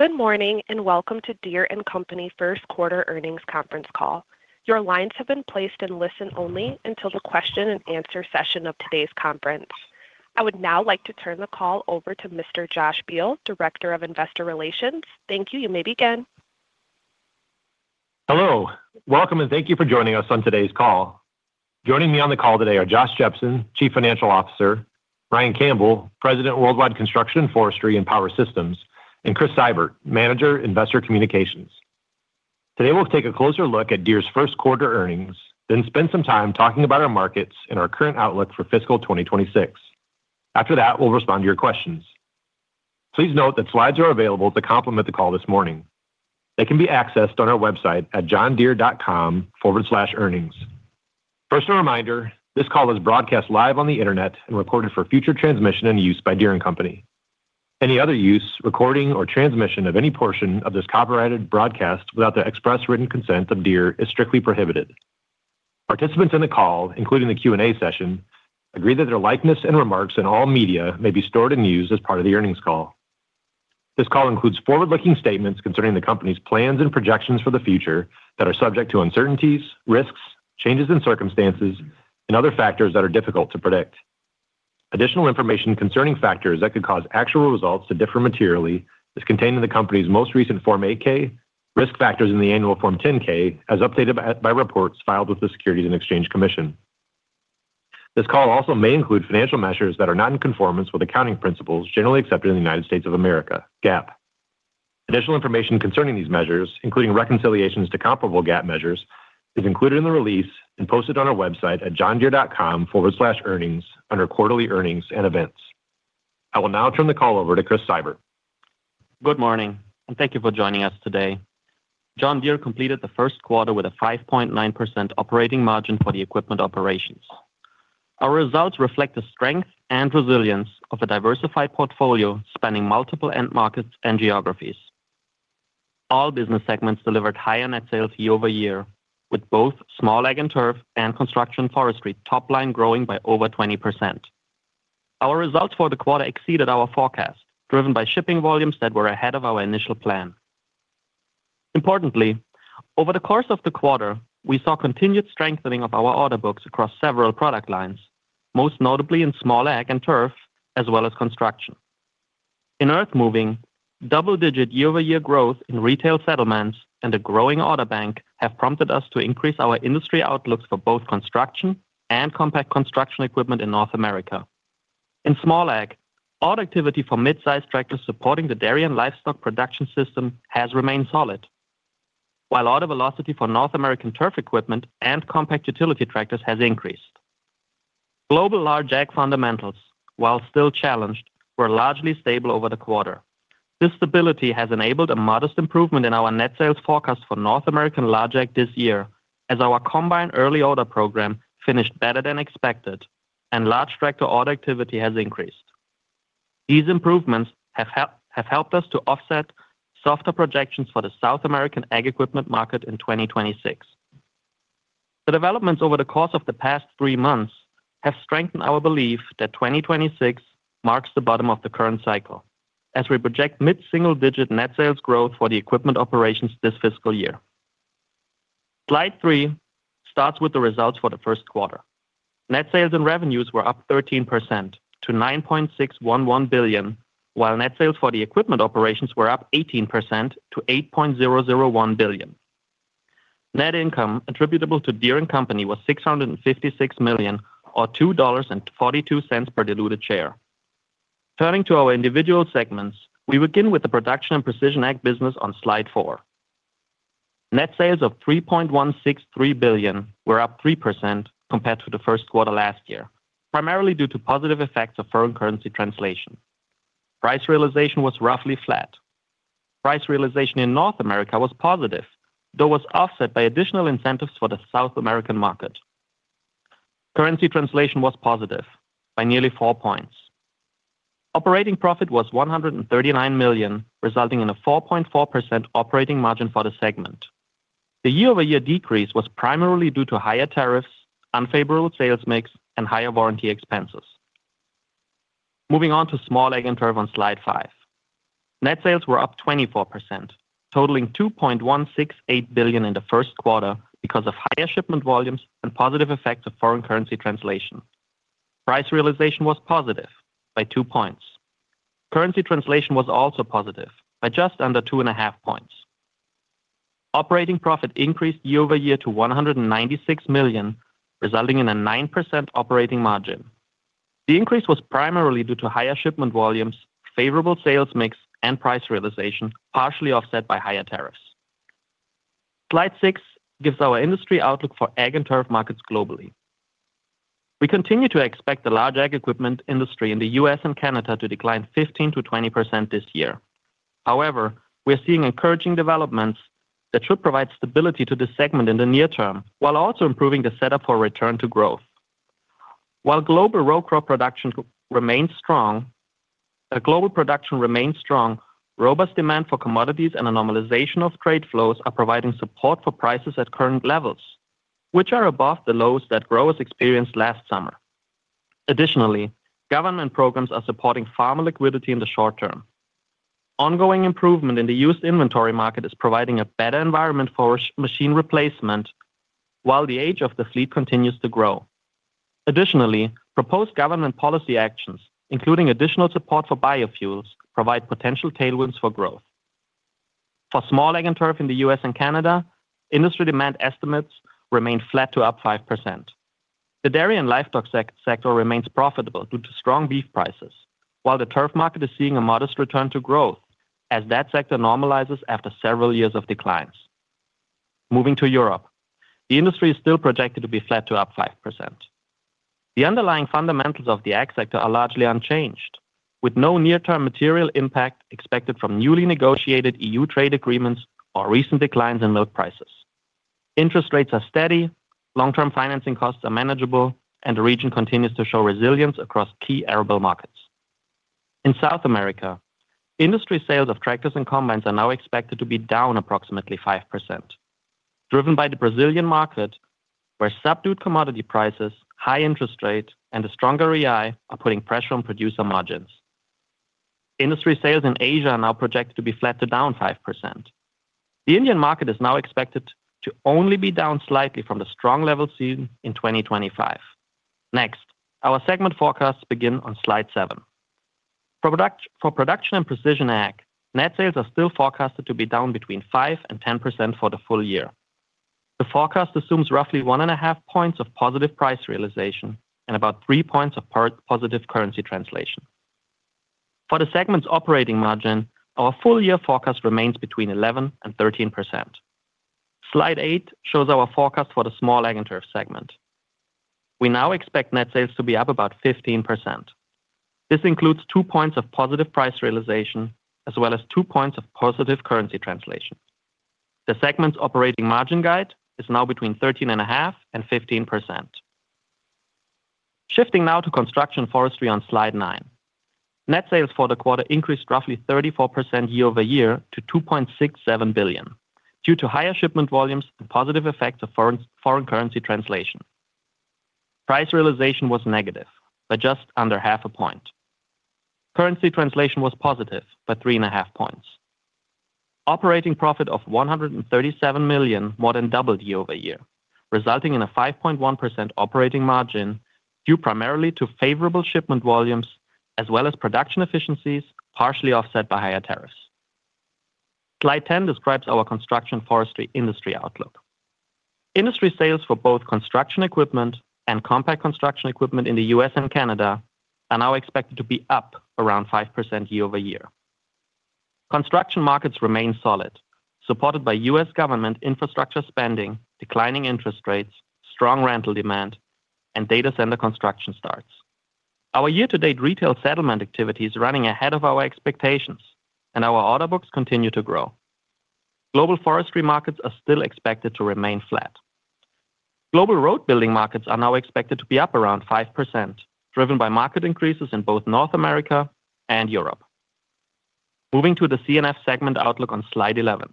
Good morning, and welcome to Deere & Company first quarter earnings conference call. Your lines have been placed in listen-only until the question and answer session of today's conference. I would now like to turn the call over to Mr. Josh Beal, Director of Investor Relations. Thank you. You may begin. Hello. Welcome, and thank you for joining us on today's call. Joining me on the call today are Josh Jepsen, Chief Financial Officer, Ryan Campbell, President, Worldwide Construction, Forestry, and Power Systems, and Chris Seibert, Manager, Investor Communications. Today, we'll take a closer look at Deere's first quarter earnings, then spend some time talking about our markets and our current outlook for fiscal 2026. After that, we'll respond to your questions. Please note that slides are available to complement the call this morning. They can be accessed on our website at johndeere.com/earnings. First, a reminder, this call is broadcast live on the internet and recorded for future transmission and use by Deere & Company. Any other use, recording, or transmission of any portion of this copyrighted broadcast without the express written consent of Deere is strictly prohibited. Participants in the call, including the Q&A session, agree that their likeness and remarks in all media may be stored and used as part of the earnings call. This call includes forward-looking statements concerning the company's plans and projections for the future that are subject to uncertainties, risks, changes in circumstances, and other factors that are difficult to predict. Additional information concerning factors that could cause actual results to differ materially is contained in the company's most recent Form 8-K, Risk Factors in the Annual Form 10-K, as updated by reports filed with the Securities and Exchange Commission. This call also may include financial measures that are not in conformance with accounting principles generally accepted in the United States of America (GAAP). Additional information concerning these measures, including reconciliations to comparable GAAP measures, is included in the release and posted on our website at JohnDeere.com/earnings under Quarterly Earnings and Events. I will now turn the call over to Chris Seibert. Good morning, and thank you for joining us today. John Deere completed the first quarter with a 5.9% operating margin for the equipment operations. Our results reflect the strength and resilience of a diversified portfolio spanning multiple end markets and geographies. All business segments delivered higher net sales year-over-year, with both Small Ag and Turf and Construction & Forestry top-line growing by over 20%. Our results for the quarter exceeded our forecast, driven by shipping volumes that were ahead of our initial plan. Importantly, over the course of the quarter, we saw continued strengthening of our order books across several product lines, most notably in Small Ag and Turf, as well as construction. In earthmoving, double-digit year-over-year growth in retail settlements and a growing order bank have prompted us to increase our industry outlooks for both construction and compact construction equipment in North America. In small ag, order activity for mid-size tractors supporting the dairy and livestock production system has remained solid, while order velocity for North American turf equipment and compact utility tractors has increased. Global large ag fundamentals, while still challenged, were largely stable over the quarter. This stability has enabled a modest improvement in our net sales forecast for North American large ag this year, as our combined Early Order Program finished better than expected, and large tractor order activity has increased. These improvements have helped us to offset softer projections for the South American ag equipment market in 2026. The developments over the course of the past three months have strengthened our belief that 2026 marks the bottom of the current cycle, as we project mid-single-digit net sales growth for the equipment operations this fiscal year. Slide three starts with the results for the first quarter. Net sales and revenues were up 13% to $9.611 billion, while net sales for the equipment operations were up 18% to $8.001 billion. Net income attributable to Deere & Company was $656 million or $2.42 per diluted share. Turning to our individual segments, we begin with the Production and Precision Ag business on Slide 4. Net sales of $3.163 billion were up 3% compared to the first quarter last year, primarily due to positive effects of foreign currency translation. Price realization was roughly flat. Price realization in North America was positive, though was offset by additional incentives for the South American market. Currency translation was positive by nearly 4 points. Operating profit was $139 million, resulting in a 4.4% operating margin for the segment. The year-over-year decrease was primarily due to higher tariffs, unfavorable sales mix, and higher warranty expenses. Moving on to Small Ag and Turf on Slide 5. Net sales were up 24%, totaling $2.168 billion in the first quarter because of higher shipment volumes and positive effects of foreign currency translation. Price realization was positive by 2 points. Currency translation was also positive by just under 2.5 points. Operating profit increased year-over-year to $196 million, resulting in a 9% operating margin. The increase was primarily due to higher shipment volumes, favorable sales mix, and price realization, partially offset by higher tariffs. Slide 6 gives our industry outlook for ag and turf markets globally. We continue to expect the large ag equipment industry in the U.S. and Canada to decline 15%-20% this year. However, we are seeing encouraging developments that should provide stability to this segment in the near term, while also improving the setup for return to growth. While global row crop production remains strong, global production remains strong, robust demand for commodities and a normalization of trade flows are providing support for prices at current levels, which are above the lows that growers experienced last summer. Additionally, government programs are supporting farmer liquidity in the short term. Ongoing improvement in the used inventory market is providing a better environment for machine replacement, while the age of the fleet continues to grow. Additionally, proposed government policy actions, including additional support for biofuels, provide potential tailwinds for growth. For Small Ag and Turf in the U.S. and Canada, industry demand estimates remain flat to up 5%. The dairy and livestock sector remains profitable due to strong beef prices, while the turf market is seeing a modest return to growth as that sector normalizes after several years of declines. Moving to Europe, the industry is still projected to be flat to up 5%. The underlying fundamentals of the ag sector are largely unchanged, with no near-term material impact expected from newly negotiated E.U. trade agreements or recent declines in milk prices. Interest rates are steady, long-term financing costs are manageable, and the region continues to show resilience across key arable markets. In South America, industry sales of tractors and combines are now expected to be down approximately 5%, driven by the Brazilian market, where subdued commodity prices, high interest rates, and a stronger BRL are putting pressure on producer margins. Industry sales in Asia are now projected to be flat to down 5%. The Indian market is now expected to only be down slightly from the strong level seen in 2025. Next, our segment forecasts begin on slide 7. For Production and Precision Ag, net sales are still forecasted to be down between 5% and 10% for the full year. The forecast assumes roughly 1.5 points of positive price realization and about 3 points of partially positive currency translation. For the segment's operating margin, our full year forecast remains between 11% and 13%. Slide 8 shows our forecast for the Small Ag and Turf segment. We now expect net sales to be up about 15%. This includes 2 points of positive price realization as well as 2 points of positive currency translation. The segment's operating margin guide is now between 13.5% and 15%. Shifting now to Construction & Forestry on slide 9. Net sales for the quarter increased roughly 34% year-over-year to $2.67 billion, due to higher shipment volumes and positive effects of foreign currency translation. Price realization was negative, but just under 0.5 point. Currency translation was positive, but 3.5 points. Operating profit of $137 million more than doubled year-over-year, resulting in a 5.1% operating margin due primarily to favorable shipment volumes as well as production efficiencies, partially offset by higher tariffs. Slide 10 describes our Construction & Forestry industry outlook. Industry sales for both construction equipment and compact construction equipment in the U.S. and Canada are now expected to be up around 5% year-over-year. Construction markets remain solid, supported by U.S. government infrastructure spending, declining interest rates, strong rental demand, and data center construction starts. Our year-to-date retail settlement activity is running ahead of our expectations, and our order books continue to grow. Global forestry markets are still expected to remain flat. Global road building markets are now expected to be up around 5%, driven by market increases in both North America and Europe. Moving to the C&F segment outlook on Slide 11.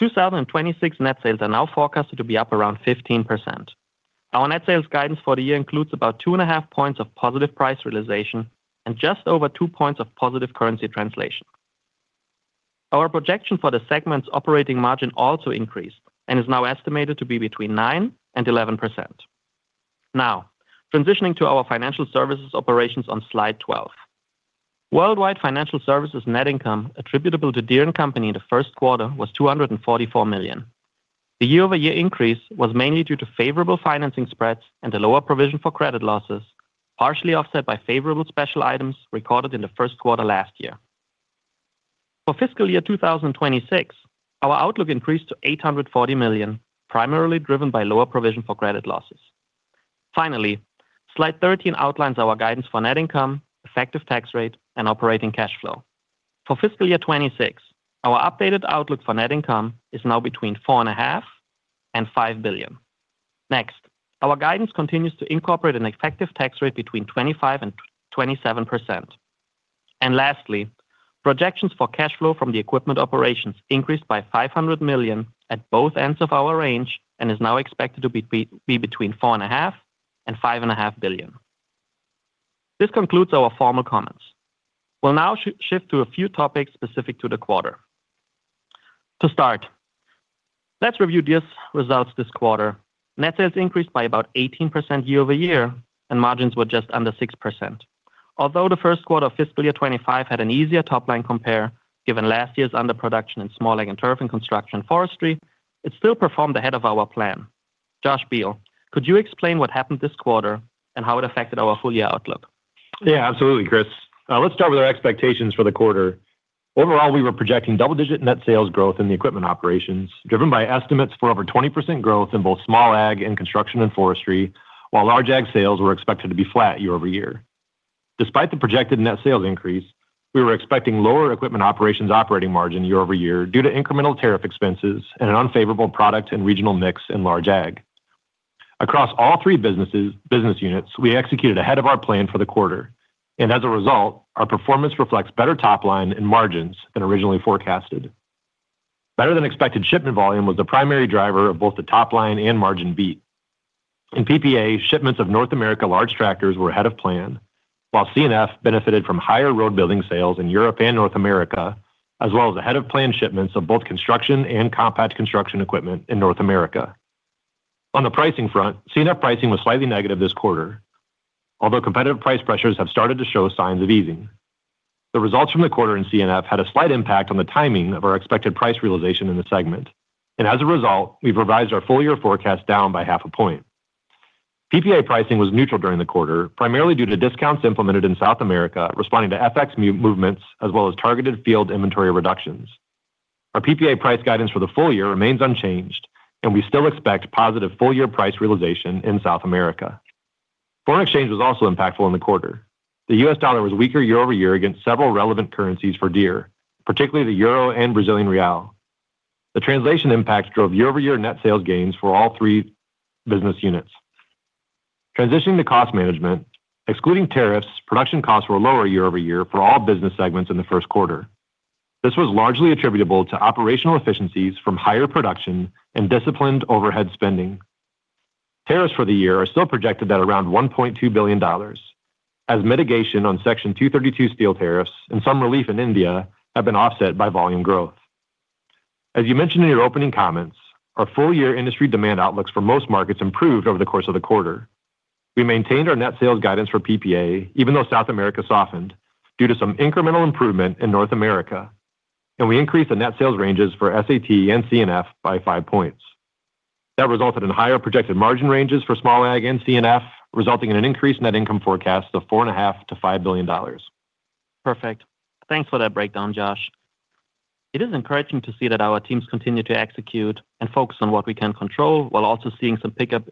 2026 net sales are now forecasted to be up around 15%. Our net sales guidance for the year includes about 2.5 points of positive price realization and just over 2 points of positive currency translation. Our projection for the segment's operating margin also increased and is now estimated to be between 9% and 11%. Now, transitioning to our financial services operations on Slide 12. Worldwide financial services net income attributable to Deere & Company in the first quarter was $244 million. The year-over-year increase was mainly due to favorable financing spreads and a lower provision for credit losses, partially offset by favorable special items recorded in the first quarter last year. For fiscal year 2026, our outlook increased to $840 million, primarily driven by lower provision for credit losses. Finally, slide 13 outlines our guidance for net income, effective tax rate, and operating cash flow. For fiscal year 2026, our updated outlook for net income is now between $4.5 billion and $5 billion. Next, our guidance continues to incorporate an effective tax rate between 25% and 27%. Lastly, projections for cash flow from the equipment operations increased by $500 million at both ends of our range and is now expected to be between $4.5 billion and $5.5 billion. This concludes our formal comments. We'll now shift to a few topics specific to the quarter. To start, let's review these results this quarter. Net sales increased by about 18% year-over-year, and margins were just under 6%. Although the first quarter of fiscal year 2025 had an easier top-line compare, given last year's underproduction in Small Ag and Turf and Construction & Forestry, it still performed ahead of our plan. Josh Beal, could you explain what happened this quarter and how it affected our full year outlook? Yeah, absolutely, Chris. Let's start with our expectations for the quarter. Overall, we were projecting double-digit net sales growth in the equipment operations, driven by estimates for over 20% growth in both small ag and construction and forestry, while large ag sales were expected to be flat year-over-year. Despite the projected net sales increase, we were expecting lower equipment operations operating margin year-over-year due to incremental tariff expenses and an unfavorable product and regional mix in large ag. Across all three businesses, business units, we executed ahead of our plan for the quarter, and as a result, our performance reflects better top line and margins than originally forecasted. Better than expected shipment volume was the primary driver of both the top line and margin beat. In PPA, shipments of North America large tractors were ahead of plan, while C&F benefited from higher road building sales in Europe and North America, as well as ahead of planned shipments of both construction and compact construction equipment in North America. On the pricing front, C&F pricing was slightly negative this quarter, although competitive price pressures have started to show signs of easing. The results from the quarter in C&F had a slight impact on the timing of our expected price realization in the segment, and as a result, we've revised our full-year forecast down by 0.5 point. PPA pricing was neutral during the quarter, primarily due to discounts implemented in South America, responding to FX movements, as well as targeted field inventory reductions. Our PPA price guidance for the full year remains unchanged, and we still expect positive full-year price realization in South America. Foreign exchange was also impactful in the quarter. The U.S. dollar was weaker year-over-year against several relevant currencies for Deere, particularly the euro and Brazilian real. The translation impact drove year-over-year net sales gains for all three business units. Transitioning to cost management, excluding tariffs, production costs were lower year-over-year for all business segments in the first quarter. This was largely attributable to operational efficiencies from higher production and disciplined overhead spending. Tariffs for the year are still projected at around $1.2 billion, as mitigation on Section 232 steel tariffs and some relief in India have been offset by volume growth. As you mentioned in your opening comments, our full-year industry demand outlooks for most markets improved over the course of the quarter. We maintained our net sales guidance for PPA, even though South America softened due to some incremental improvement in North America, and we increased the net sales ranges for SAT and C&F by 5 points. That resulted in higher projected margin ranges for small AG and C&F, resulting in an increased net income forecast of $4.5 billion-$5 billion. Perfect. Thanks for that breakdown, Josh. It is encouraging to see that our teams continue to execute and focus on what we can control, while also seeing some pickup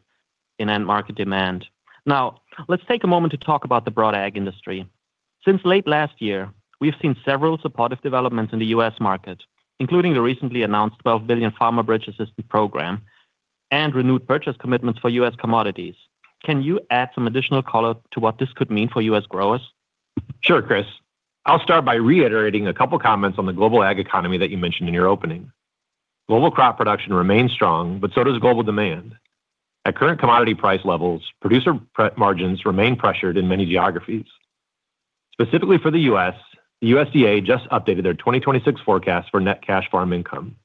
in end market demand. Now, let's take a moment to talk about the broad AG industry. Since late last year, we've seen several supportive developments in the U.S. market, including the recently announced $12 billion Farmer Bridge Assistance Program and renewed purchase commitments for U.S. commodities. Can you add some additional color to what this could mean for U.S. growers? Sure, Chris. I'll start by reiterating a couple of comments on the global AG economy that you mentioned in your opening. Global crop production remains strong, but so does global demand. At current commodity price levels, producer margins remain pressured in many geographies. Specifically for the U.S., the USDA just updated their 2026 forecast for net cash farm income.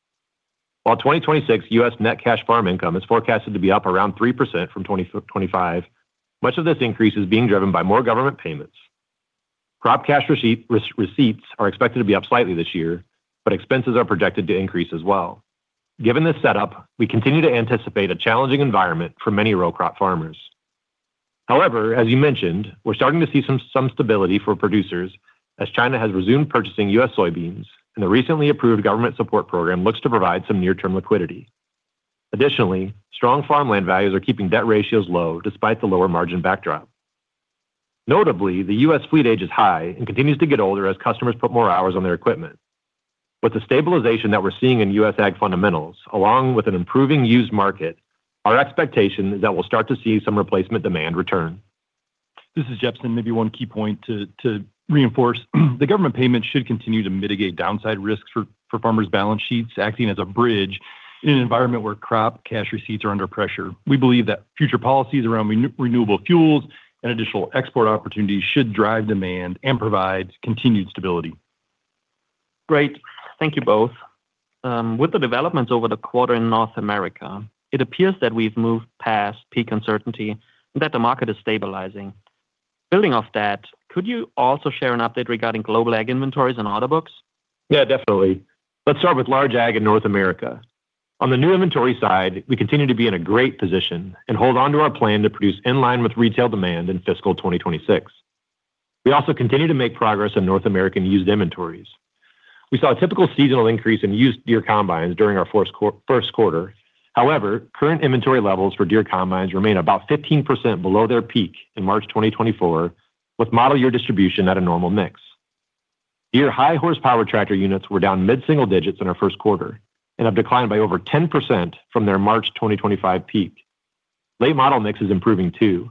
While 2026 U.S. net cash farm income is forecasted to be up around 3% from 2025, much of this increase is being driven by more government payments. Crop cash receipts are expected to be up slightly this year, but expenses are projected to increase as well. Given this setup, we continue to anticipate a challenging environment for many row crop farmers. However, as you mentioned, we're starting to see some stability for producers as China has resumed purchasing U.S. soybeans, and the recently approved government support program looks to provide some near-term liquidity. Additionally, strong farmland values are keeping debt ratios low, despite the lower margin backdrop. Notably, the U.S. fleet age is high and continues to get older as customers put more hours on their equipment. With the stabilization that we're seeing in U.S. ag fundamentals, along with an improving used market, our expectation is that we'll start to see some replacement demand return. This is Jepsen. Maybe one key point to reinforce. The government payments should continue to mitigate downside risks for farmers' balance sheets, acting as a bridge in an environment where crop cash receipts are under pressure. We believe that future policies around renewable fuels and additional export opportunities should drive demand and provide continued stability. Great. Thank you both. With the developments over the quarter in North America, it appears that we've moved past peak uncertainty and that the market is stabilizing. Building off that, could you also share an update regarding global AG inventories and order books? Yeah, definitely. Let's start with large AG in North America. On the new inventory side, we continue to be in a great position and hold on to our plan to produce in line with retail demand in fiscal 2026. We also continue to make progress in North American used inventories. We saw a typical seasonal increase in used Deere combines during our first quarter. However, current inventory levels for Deere combines remain about 15% below their peak in March 2024, with model year distribution at a normal mix. Deere high horsepower tractor units were down mid-single digits in our first quarter and have declined by over 10% from their March 2025 peak. Late model mix is improving too.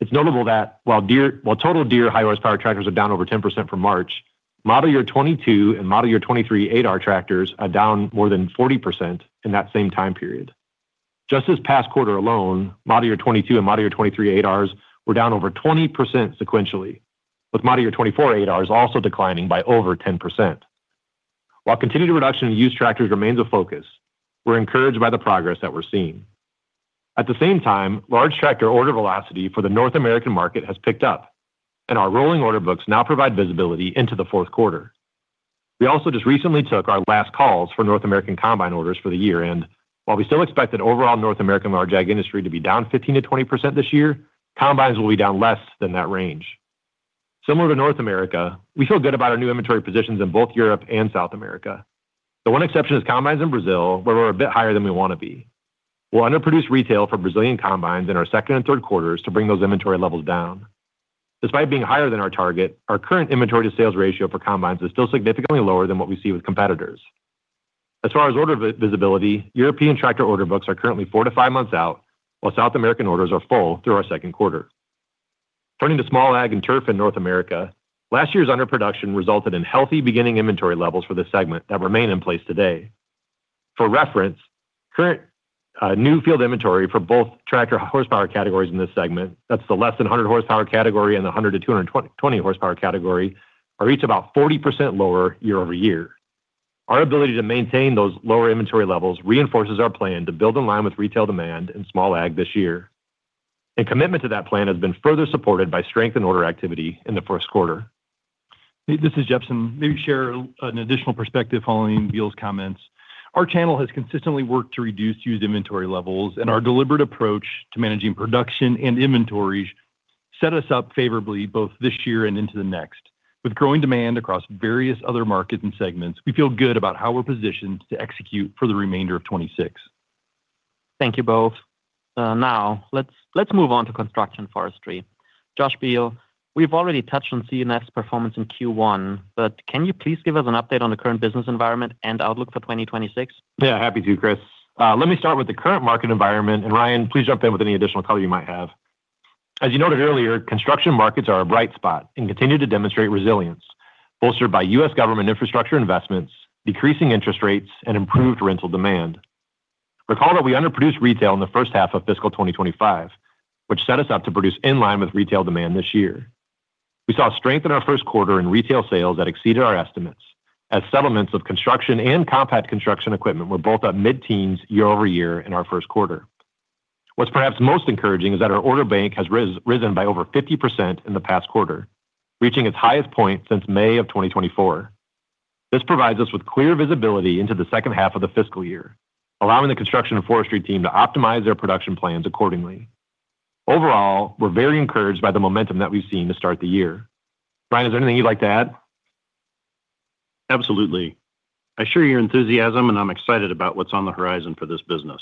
It's notable that while total Deere high horsepower tractors are down over 10% from March, model year 2022 and model year 2023 8R tractors are down more than 40% in that same time period. Just this past quarter alone, model year 2022 and model year 2023 8Rs were down over 20% sequentially, with model year 2024 8Rs also declining by over 10%. While continued reduction in used tractors remains a focus, we're encouraged by the progress that we're seeing. At the same time, large tractor order velocity for the North American market has picked up, and our rolling order books now provide visibility into the fourth quarter. We also just recently took our last calls for North American combine orders for the year, and while we still expect that overall North American large AG industry to be down 15%-20% this year, combines will be down less than that range. Similar to North America, we feel good about our new inventory positions in both Europe and South America. The one exception is combines in Brazil, where we're a bit higher than we want to be. We'll underproduce retail for Brazilian combines in our second and third quarters to bring those inventory levels down. Despite being higher than our target, our current inventory to sales ratio for combines is still significantly lower than what we see with competitors. As far as order visibility, European tractor order books are currently 4-5 months out, while South American orders are full through our second quarter.... Turning to Small Ag and Turf in North America, last year's underproduction resulted in healthy beginning inventory levels for this segment that remain in place today. For reference, current new field inventory for both tractor horsepower categories in this segment, that's the less than 100 horsepower category and the 100 to 220 horsepower category, are each about 40% lower year-over-year. Our ability to maintain those lower inventory levels reinforces our plan to build in line with retail demand in small ag this year. And commitment to that plan has been further supported by strength in order activity in the first quarter. This is Jepsen. Let me share an additional perspective following Beal's comments. Our channel has consistently worked to reduce used inventory levels, and our deliberate approach to managing production and inventories set us up favorably both this year and into the next. With growing demand across various other markets and segments, we feel good about how we're positioned to execute for the remainder of 2026. Thank you both. Now, let's move on to Construction & Forestry. Josh Beal, we've already touched on C&F's performance in Q1, but can you please give us an update on the current business environment and outlook for 2026? Yeah, happy to, Chris. Let me start with the current market environment, and Ryan, please jump in with any additional color you might have. As you noted earlier, construction markets are a bright spot and continue to demonstrate resilience, bolstered by US government infrastructure investments, decreasing interest rates, and improved rental demand. Recall that we underproduced retail in the first half of fiscal 2025, which set us up to produce in line with retail demand this year. We saw strength in our first quarter in retail sales that exceeded our estimates, as settlements of construction and compact construction equipment were both up mid-teens year-over-year in our first quarter. What's perhaps most encouraging is that our order bank has risen by over 50% in the past quarter, reaching its highest point since May of 2024. This provides us with clear visibility into the second half of the fiscal year, allowing the construction and forestry team to optimize their production plans accordingly. Overall, we're very encouraged by the momentum that we've seen to start the year. Ryan, is there anything you'd like to add? Absolutely. I share your enthusiasm, and I'm excited about what's on the horizon for this business.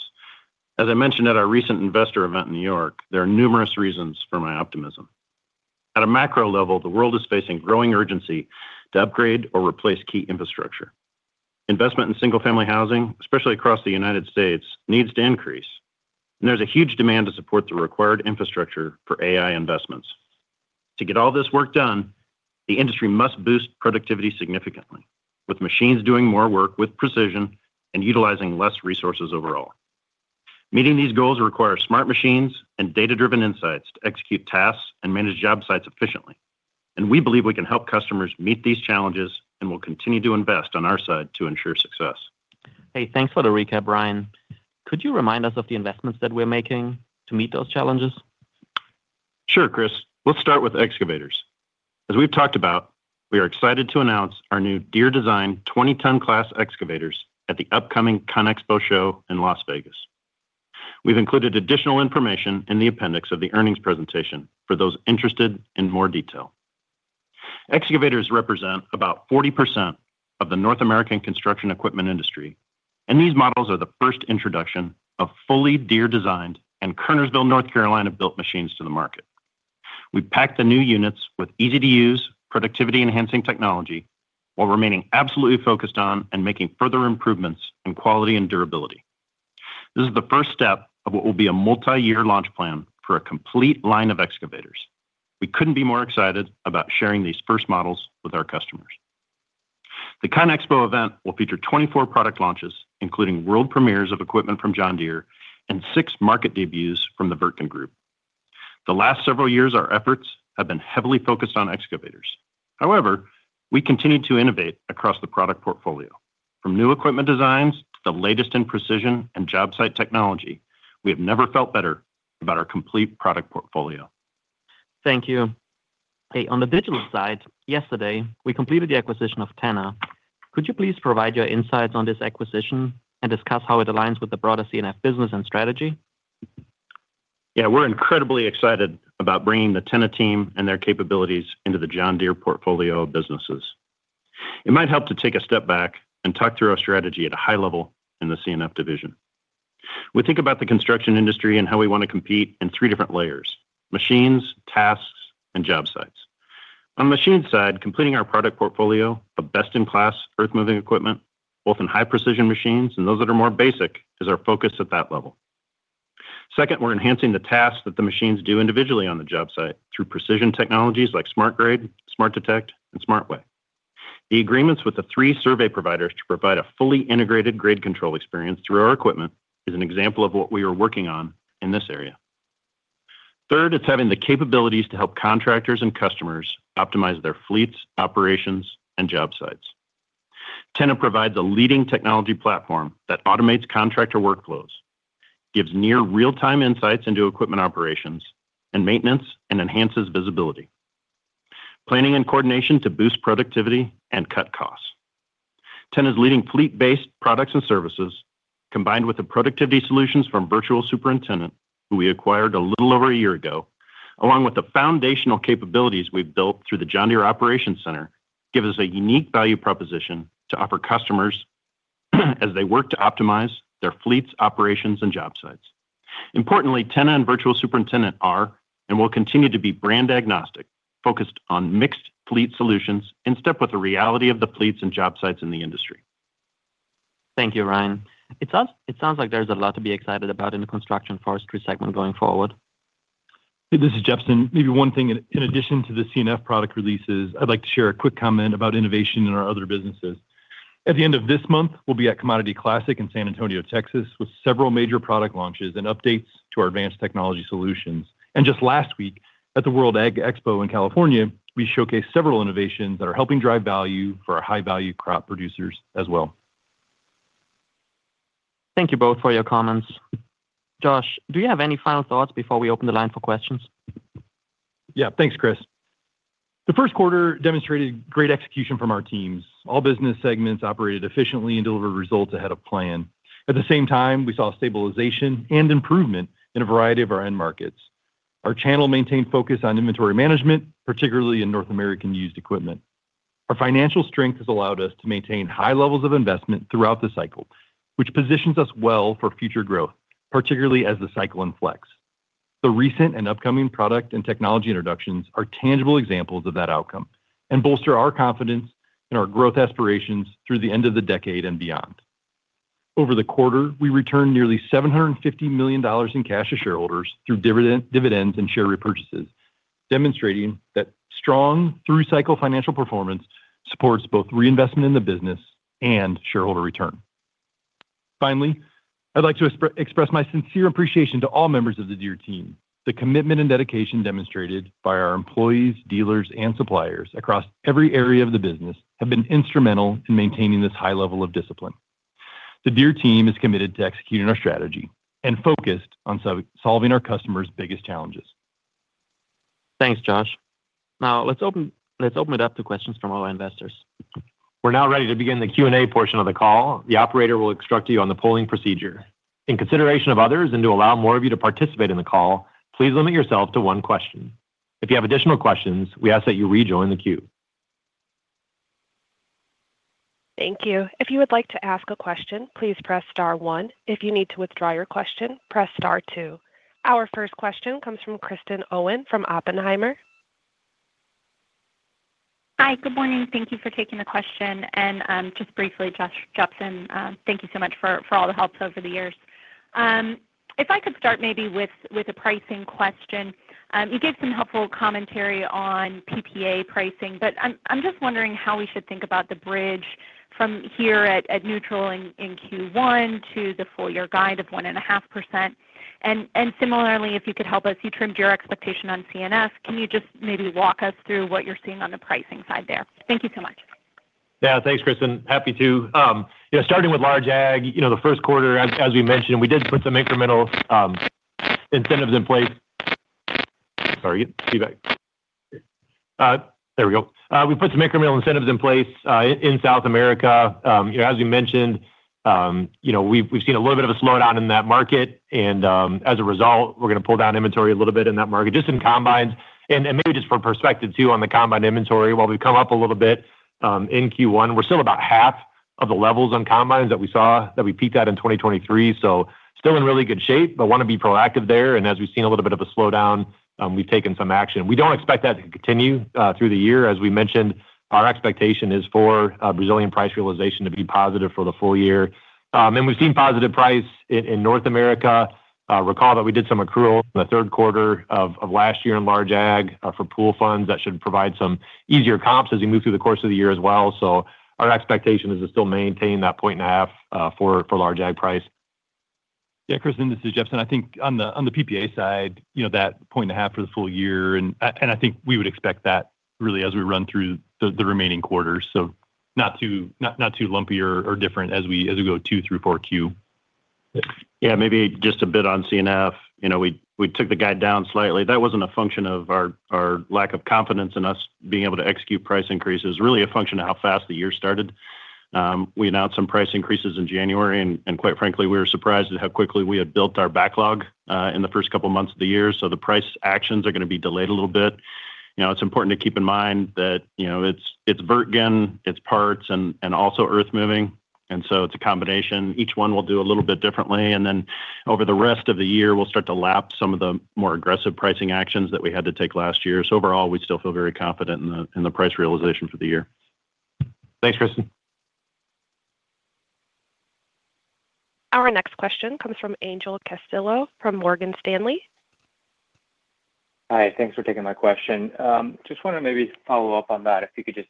As I mentioned at our recent investor event in New York, there are numerous reasons for my optimism. At a macro level, the world is facing growing urgency to upgrade or replace key infrastructure. Investment in single-family housing, especially across the United States, needs to increase, and there's a huge demand to support the required infrastructure for AI investments. To get all this work done, the industry must boost productivity significantly, with machines doing more work with precision and utilizing less resources overall. Meeting these goals require smart machines and data-driven insights to execute tasks and manage job sites efficiently, and we believe we can help customers meet these challenges and will continue to invest on our side to ensure success. Hey, thanks for the recap, Ryan. Could you remind us of the investments that we're making to meet those challenges? Sure, Chris. Let's start with excavators. As we've talked about, we are excited to announce our new Deere-designed 20-ton class excavators at the upcoming CONEXPO Show in Las Vegas. We've included additional information in the appendix of the earnings presentation for those interested in more detail. Excavators represent about 40% of the North American construction equipment industry, and these models are the first introduction of fully Deere-designed and Kernersville, North Carolina-built machines to the market. We packed the new units with easy-to-use, productivity-enhancing technology while remaining absolutely focused on and making further improvements in quality and durability. This is the first step of what will be a multi-year launch plan for a complete line of excavators. We couldn't be more excited about sharing these first models with our customers. The CONEXPO event will feature 24 product launches, including world premieres of equipment from John Deere and 6 market debuts from the Wirtgen Group. The last several years, our efforts have been heavily focused on excavators. However, we continue to innovate across the product portfolio. From new equipment designs to the latest in precision and job site technology, we have never felt better about our complete product portfolio. Thank you. Hey, on the digital side, yesterday, we completed the acquisition of Tenna. Could you please provide your insights on this acquisition and discuss how it aligns with the broader C&F business and strategy? Yeah, we're incredibly excited about bringing the Tenna team and their capabilities into the John Deere portfolio of businesses. It might help to take a step back and talk through our strategy at a high level in the C&F division. We think about the construction industry and how we want to compete in three different layers: machines, tasks, and job sites. On the machine side, completing our product portfolio of best-in-class earthmoving equipment, both in high-precision machines and those that are more basic, is our focus at that level. Second, we're enhancing the tasks that the machines do individually on the job site through precision technologies like SmartGrade, SmartDetect, and SmartWeigh. The agreements with the three survey providers to provide a fully integrated grade control experience through our equipment is an example of what we are working on in this area. Third, it's having the capabilities to help contractors and customers optimize their fleets, operations, and job sites. Tenna provides a leading technology platform that automates contractor workflows, gives near real-time insights into equipment operations and maintenance, and enhances visibility, planning and coordination to boost productivity and cut costs. Tenna's leading fleet-based products and services, combined with the productivity solutions from Virtual Superintendent, who we acquired a little over a year ago, along with the foundational capabilities we've built through the John Deere Operations Center, give us a unique value proposition to offer customers as they work to optimize their fleets, operations, and job sites. Importantly, Tenna and Virtual Superintendent are and will continue to be brand-agnostic, focused on mixed fleet solutions in step with the reality of the fleets and job sites in the industry.... Thank you, Ryan. It sounds like there's a lot to be excited about in the Construction Forestry segment going forward. This is Jepsen. Maybe one thing in addition to the C&F product releases, I'd like to share a quick comment about innovation in our other businesses. At the end of this month, we'll be at Commodity Classic in San Antonio, Texas, with several major product launches and updates to our advanced technology solutions. And just last week, at the World Ag Expo in California, we showcased several innovations that are helping drive value for our high-value crop producers as well. Thank you both for your comments. Josh, do you have any final thoughts before we open the line for questions? Yeah, thanks, Chris. The first quarter demonstrated great execution from our teams. All business segments operated efficiently and delivered results ahead of plan. At the same time, we saw stabilization and improvement in a variety of our end markets. Our channel maintained focus on inventory management, particularly in North American used equipment. Our financial strength has allowed us to maintain high levels of investment throughout the cycle, which positions us well for future growth, particularly as the cycle inflects. The recent and upcoming product and technology introductions are tangible examples of that outcome and bolster our confidence in our growth aspirations through the end of the decade and beyond. Over the quarter, we returned nearly $750 million in cash to shareholders through dividend, dividends and share repurchases, demonstrating that strong through-cycle financial performance supports both reinvestment in the business and shareholder return. Finally, I'd like to express my sincere appreciation to all members of the Deere team. The commitment and dedication demonstrated by our employees, dealers, and suppliers across every area of the business have been instrumental in maintaining this high level of discipline. The Deere team is committed to executing our strategy and focused on solving our customers' biggest challenges. Thanks, Josh. Now, let's open it up to questions from all our investors. We're now ready to begin the Q&A portion of the call. The operator will instruct you on the polling procedure. In consideration of others and to allow more of you to participate in the call, please limit yourself to one question. If you have additional questions, we ask that you rejoin the queue. Thank you. If you would like to ask a question, please press star one. If you need to withdraw your question, press star two. Our first question comes from Kristen Owen from Oppenheimer. Hi, good morning. Thank you for taking the question. Just briefly, Josh Jepsen, thank you so much for all the help over the years. If I could start maybe with a pricing question. You gave some helpful commentary on PPA pricing, but I'm just wondering how we should think about the bridge from here at neutral in Q1 to the full year guide of 1.5%. And similarly, if you could help us, you trimmed your expectation on C&F. Can you just maybe walk us through what you're seeing on the pricing side there? Thank you so much. Yeah, thanks, Kristen. Happy to. Yeah, starting with large ag, you know, the first quarter, as we mentioned, we did put some incremental incentives in place in South America. You know, as we mentioned, you know, we've seen a little bit of a slowdown in that market, and as a result, we're gonna pull down inventory a little bit in that market, just in combines. And maybe just for perspective, too, on the combine inventory, while we've come up a little bit in Q1, we're still about half of the levels on combines that we saw, that we peaked at in 2023. So still in really good shape, but wanna be proactive there. As we've seen a little bit of a slowdown, we've taken some action. We don't expect that to continue through the year. As we mentioned, our expectation is for Brazilian price realization to be positive for the full year. And we've seen positive price in North America. Recall that we did some accrual in the third quarter of last year in large ag for pool funds. That should provide some easier comps as we move through the course of the year as well. Our expectation is to still maintain that point and a half for large ag price. Yeah, Kristen, this is Jepsen. I think on the PPA side, you know, that 1.5 for the full year, and I think we would expect that really as we run through the remaining quarters. So not too lumpy or different as we go 2 through 4 Q. Yeah, maybe just a bit on C&F. You know, we took the guide down slightly. That wasn't a function of our lack of confidence in us being able to execute price increases, really a function of how fast the year started. We announced some price increases in January, and quite frankly, we were surprised at how quickly we had built our backlog in the first couple of months of the year. So the price actions are gonna be delayed a little bit. You know, it's important to keep in mind that, you know, it's Wirtgen, it's parts, and also earthmoving, and so it's a combination. Each one will do a little bit differently, and then over the rest of the year, we'll start to lap some of the more aggressive pricing actions that we had to take last year. Overall, we still feel very confident in the price realization for the year. Thanks, Kristen. Our next question comes from Angel Castillo from Morgan Stanley. Hi, thanks for taking my question. Just wanna maybe follow up on that, if you could just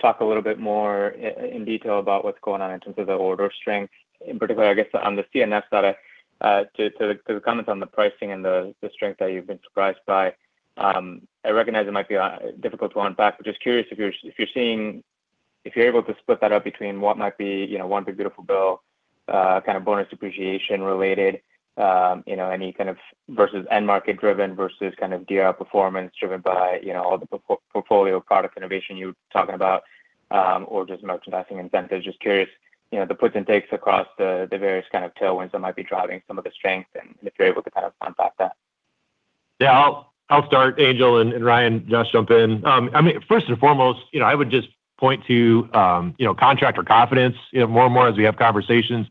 talk a little bit more in detail about what's going on in terms of the order strength, in particular, I guess, on the C&F side, to the comments on the pricing and the strength that you've been surprised by. I recognize it might be difficult to unpack, but just curious if you're seeing if you're able to split that up between what might be, you know, one big beautiful build kind of bonus depreciation related, you know, any kind of versus end-market driven versus kind of gear performance driven by, you know, all the portfolio product innovation you were talking about, or just merchandising incentives. Just curious, you know, the puts and takes across the various kind of tailwinds that might be driving some of the strength, and if you're able to kind of unpack that. Yeah, I'll start, Angel, and Ryan, Josh, jump in. I mean, first and foremost, you know, I would just point to, you know, contractor confidence. You know, more and more as we have conversations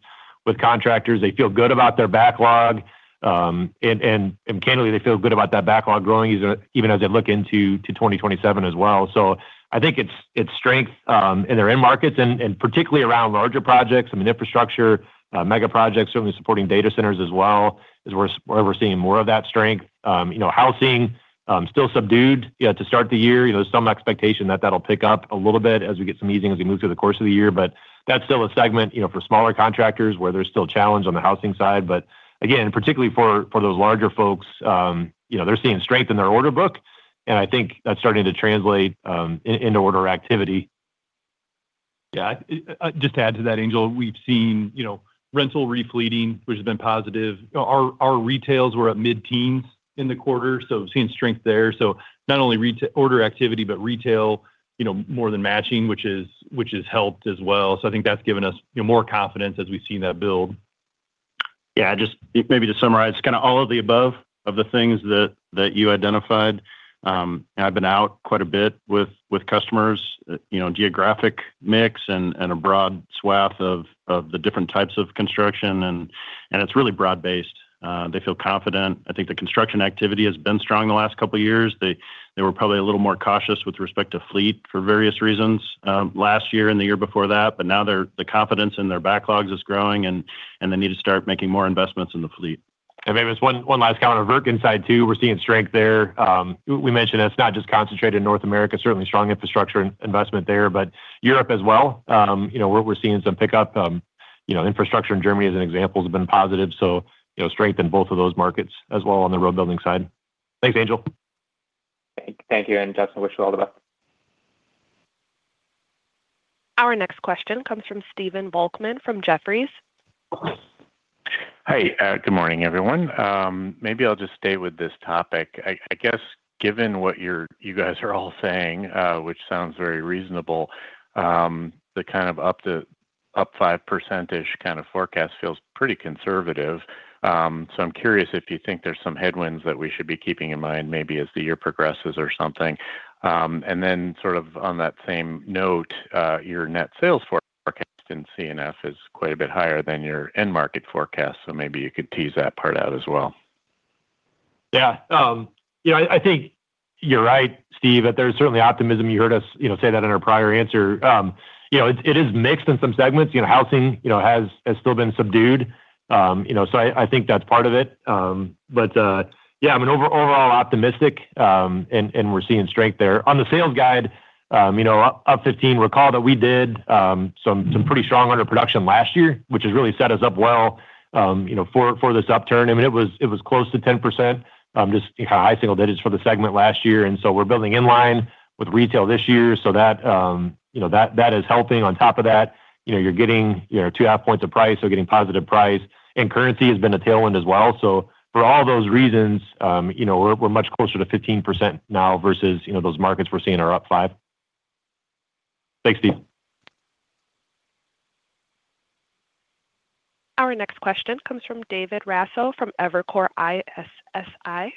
with contractors. They feel good about their backlog, and candidly, they feel good about that backlog growing even as they look into 2027 as well. So I think it's strength in their end markets and particularly around larger projects. I mean, infrastructure, mega projects, certainly supporting data centers as well, is where we're seeing more of that strength. You know, housing still subdued, yeah, to start the year. You know, some expectation that that'll pick up a little bit as we get some easing as we move through the course of the year. But that's still a segment, you know, for smaller contractors, where there's still challenge on the housing side. But again, particularly for those larger folks, you know, they're seeing strength in their order book, and I think that's starting to translate into order activity. Yeah, just to add to that, Angel, we've seen, you know, rental repleting, which has been positive. You know, our retails were at mid-teens in the quarter, so we've seen strength there. So not only order activity, but retail, you know, more than matching, which has helped as well. So I think that's given us, you know, more confidence as we've seen that build. Yeah, just maybe to summarize, kind of all of the above, of the things that you identified. And I've been out quite a bit with customers, you know, geographic mix and a broad swath of the different types of construction, and it's really broad-based. They feel confident. I think the construction activity has been strong the last couple of years. They were probably a little more cautious with respect to fleet for various reasons last year and the year before that, but now the confidence in their backlogs is growing and they need to start making more investments in the fleet. And maybe just one last comment on Wirtgen side, too. We're seeing strength there. We mentioned it's not just concentrated in North America, certainly strong infrastructure investment there, but Europe as well. You know, we're seeing some pickup. You know, infrastructure in Germany, as an example, has been positive, so, you know, strength in both of those markets as well on the road building side. Thanks, Angel. Thank you, and Josh, wish you all the best. Our next question comes from Stephen Volkmann from Jefferies. Hi. Good morning, everyone. Maybe I'll just stay with this topic. I guess, given what you're—you guys are all saying, which sounds very reasonable, the kind of up to 5% kind of forecast feels pretty conservative. So I'm curious if you think there's some headwinds that we should be keeping in mind, maybe as the year progresses or something. And then sort of on that same note, your net sales forecast in CNF is quite a bit higher than your end market forecast, so maybe you could tease that part out as well. Yeah. You know, I think you're right, Steve, that there's certainly optimism. You heard us, you know, say that in our prior answer. You know, it is mixed in some segments. You know, housing has still been subdued. You know, so I think that's part of it. But yeah, I mean, overall optimistic, and we're seeing strength there. On the sales guide, you know, up 15, recall that we did some pretty strong order production last year, which has really set us up well, you know, for this upturn. I mean, it was close to 10%, just high single digits for the segment last year, and so we're building in line with retail this year. So that, you know, that is helping. On top of that, you know, you're getting, you know, 2½ points of price, so getting positive price, and currency has been a tailwind as well. So for all those reasons, you know, we're, we're much closer to 15% now versus, you know, those markets we're seeing are up 5. Thanks, Steve. Our next question comes from David Raso, from Evercore ISI.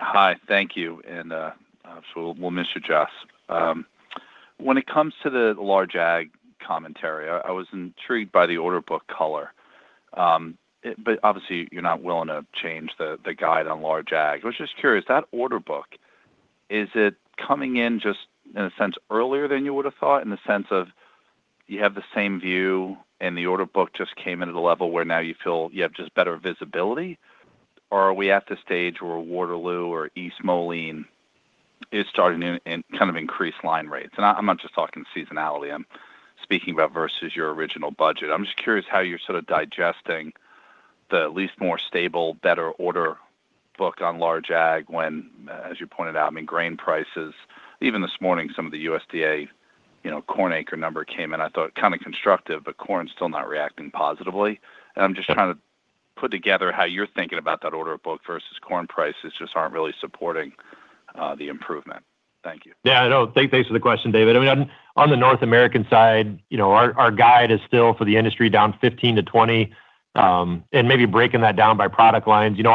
Hi, thank you, and, so we'll, we'll miss you, Jess. When it comes to the large ag commentary, I was intrigued by the order book color. But obviously, you're not willing to change the, the guide on large ag. I was just curious, that order book, is it coming in just, in a sense, earlier than you would have thought, in the sense of you have the same view and the order book just came in at a level where now you feel you have just better visibility? Or are we at the stage where Waterloo or East Moline is starting to, and kind of increase line rates? And I, I'm not just talking seasonality. I'm speaking about versus your original budget. I'm just curious how you're sort of digesting the at least more stable, better order book on large ag when, as you pointed out, I mean, grain prices... Even this morning, some of the USDA, you know, corn acre number came in, I thought, kind of constructive, but corn is still not reacting positively. And I'm just trying to put together how you're thinking about that order book versus corn prices just aren't really supporting the improvement. Thank you. Yeah, no, thanks for the question, David. I mean, on the North American side, you know, our guide is still for the industry down 15%-20%. And maybe breaking that down by product lines, you know,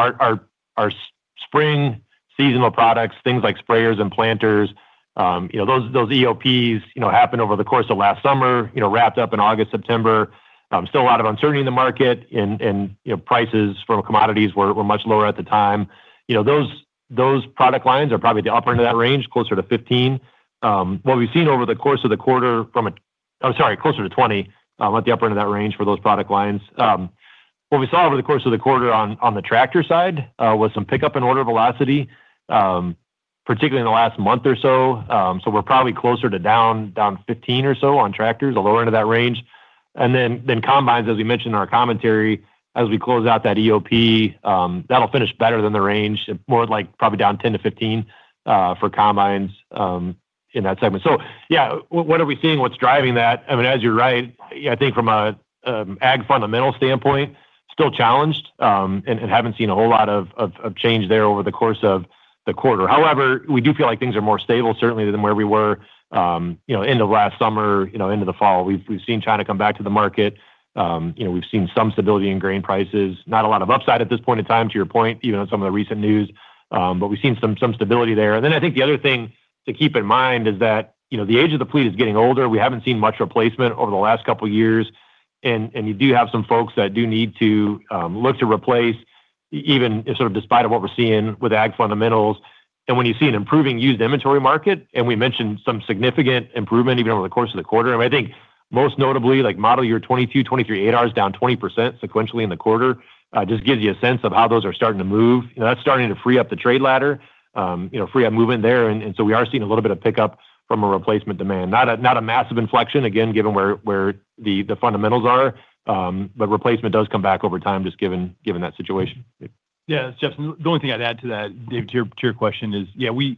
our spring seasonal products, things like sprayers and planters, you know, those EOPs, you know, happened over the course of last summer, you know, wrapped up in August, September. Still a lot of uncertainty in the market and, you know, prices for commodities were much lower at the time. You know, those product lines are probably the upper end of that range, closer to 15%. What we've seen over the course of the quarter, I'm sorry, closer to 20%, at the upper end of that range for those product lines. What we saw over the course of the quarter on the tractor side was some pickup in order velocity, particularly in the last month or so. So we're probably closer to down 15 or so on tractors, the lower end of that range. And then combines, as we mentioned in our commentary, as we close out that EOP, that'll finish better than the range, more like probably down 10-15 for combines in that segment. So yeah, what are we seeing? What's driving that? I mean, as you're right, yeah, I think from a ag fundamental standpoint, still challenged, and haven't seen a whole lot of change there over the course of the quarter. However, we do feel like things are more stable, certainly than where we were, you know, end of last summer, you know, into the fall. We've seen China come back to the market. You know, we've seen some stability in grain prices. Not a lot of upside at this point in time, to your point, even on some of the recent news, but we've seen some stability there. And then I think the other thing to keep in mind is that, you know, the age of the fleet is getting older. We haven't seen much replacement over the last couple of years, and you do have some folks that do need to look to replace even sort of despite of what we're seeing with ag fundamentals. When you see an improving used inventory market, and we mentioned some significant improvement even over the course of the quarter. I think most notably, like model year 2022, 2023, 8R's down 20% sequentially in the quarter, just gives you a sense of how those are starting to move. You know, that's starting to free up the trade ladder, you know, free up movement there. And so we are seeing a little bit of pickup from a replacement demand. Not a massive inflection, again, given where the fundamentals are, but replacement does come back over time, just given that situation. Yeah, Jepsen, the only thing I'd add to that, Dave, to your, to your question is, yeah, we,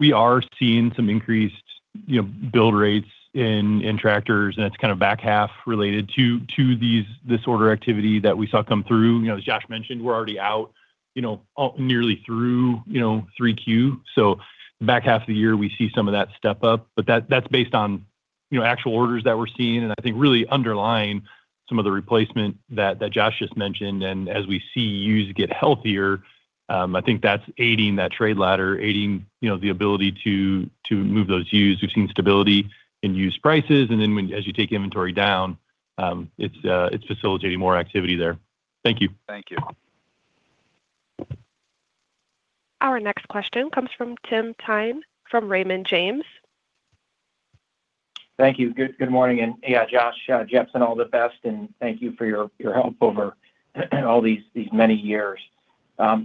we are seeing some increased, you know, build rates in, in tractors, and it's kind of back half related to, to this order activity that we saw come through. You know, as Josh mentioned, we're already out, you know, nearly through Q3. So back half of the year, we see some of that step up, but that's based on, you know, actual orders that we're seeing. And I think really underlying some of the replacement that Josh just mentioned. And as we see used get healthier, I think that's aiding that trade ladder, aiding, you know, the ability to, to move those used. We've seen stability in used prices, and then as you take inventory down, it's facilitating more activity there. Thank you. Thank you. Our next question comes from Tim Thein, from Raymond James. Thank you. Good morning. And yeah, Josh Jepsen, all the best, and thank you for your help over all these many years.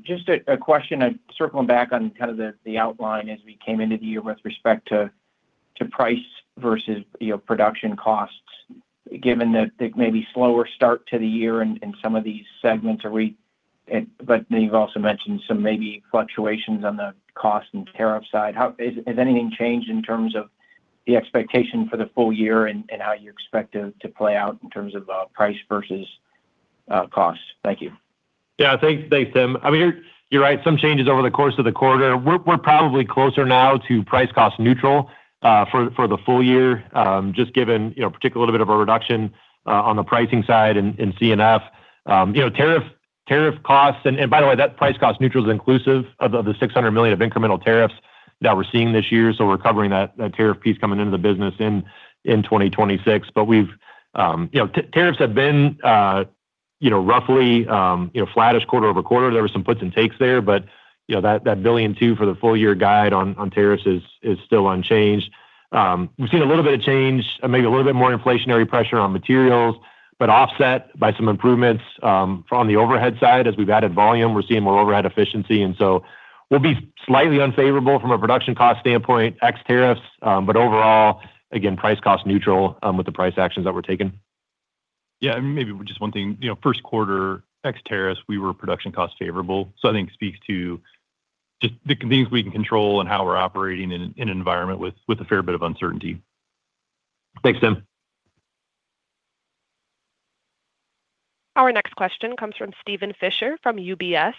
Just a question, circling back on kind of the outline as we came into the year with respect to price versus, you know, production costs. Given the maybe slower start to the year in some of these segments, are we - but then you've also mentioned some maybe fluctuations on the cost and tariff side. How has anything changed in terms of the expectation for the full year and how you expect it to play out in terms of price versus cost? Thank you. Yeah, thanks. Thanks, Tim. I mean, you're right, some changes over the course of the quarter. We're probably closer now to price cost neutral for the full year, just given, you know, particular little bit of a reduction on the pricing side in CNF. You know, tariff costs, and by the way, that price cost neutral is inclusive of the $600 million of incremental tariffs that we're seeing this year, so we're covering that tariff piece coming into the business in 2026. But we've, you know, tariffs have been, you know, roughly flattish quarter-over-quarter. There were some puts and takes there, but, you know, that $1.2 billion for the full year guide on tariffs is still unchanged. We've seen a little bit of change and maybe a little bit more inflationary pressure on materials, but offset by some improvements, from the overhead side. As we've added volume, we're seeing more overhead efficiency, and so we'll be slightly unfavorable from a production cost standpoint, ex tariffs, but overall, again, price cost neutral, with the price actions that we're taking. Yeah, and maybe just one thing. You know, first quarter, ex tariffs, we were production cost favorable. So I think it speaks to just the things we can control and how we're operating in an environment with a fair bit of uncertainty. Thanks, Tim. Our next question comes from Steven Fisher, from UBS.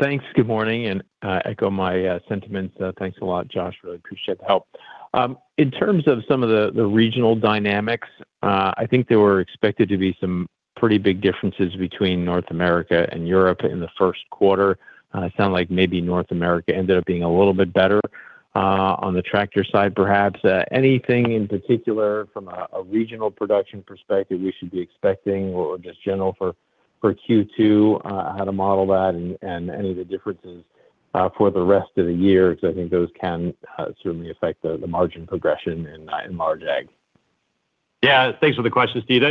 Thanks. Good morning, and, I echo my, sentiments. Thanks a lot, Josh, really appreciate the help. In terms of some of the, the regional dynamics, I think there were expected to be some pretty big differences between North America and Europe in the first quarter. It sound like maybe North America ended up being a little bit better, on the tractor side, perhaps. Anything in particular from a, a regional production perspective we should be expecting or just general for, for Q2, how to model that and, and any of the differences, for the rest of the year? Because I think those can, certainly affect the, the margin progression in, in large ag. Yeah. Thanks for the question, Steve.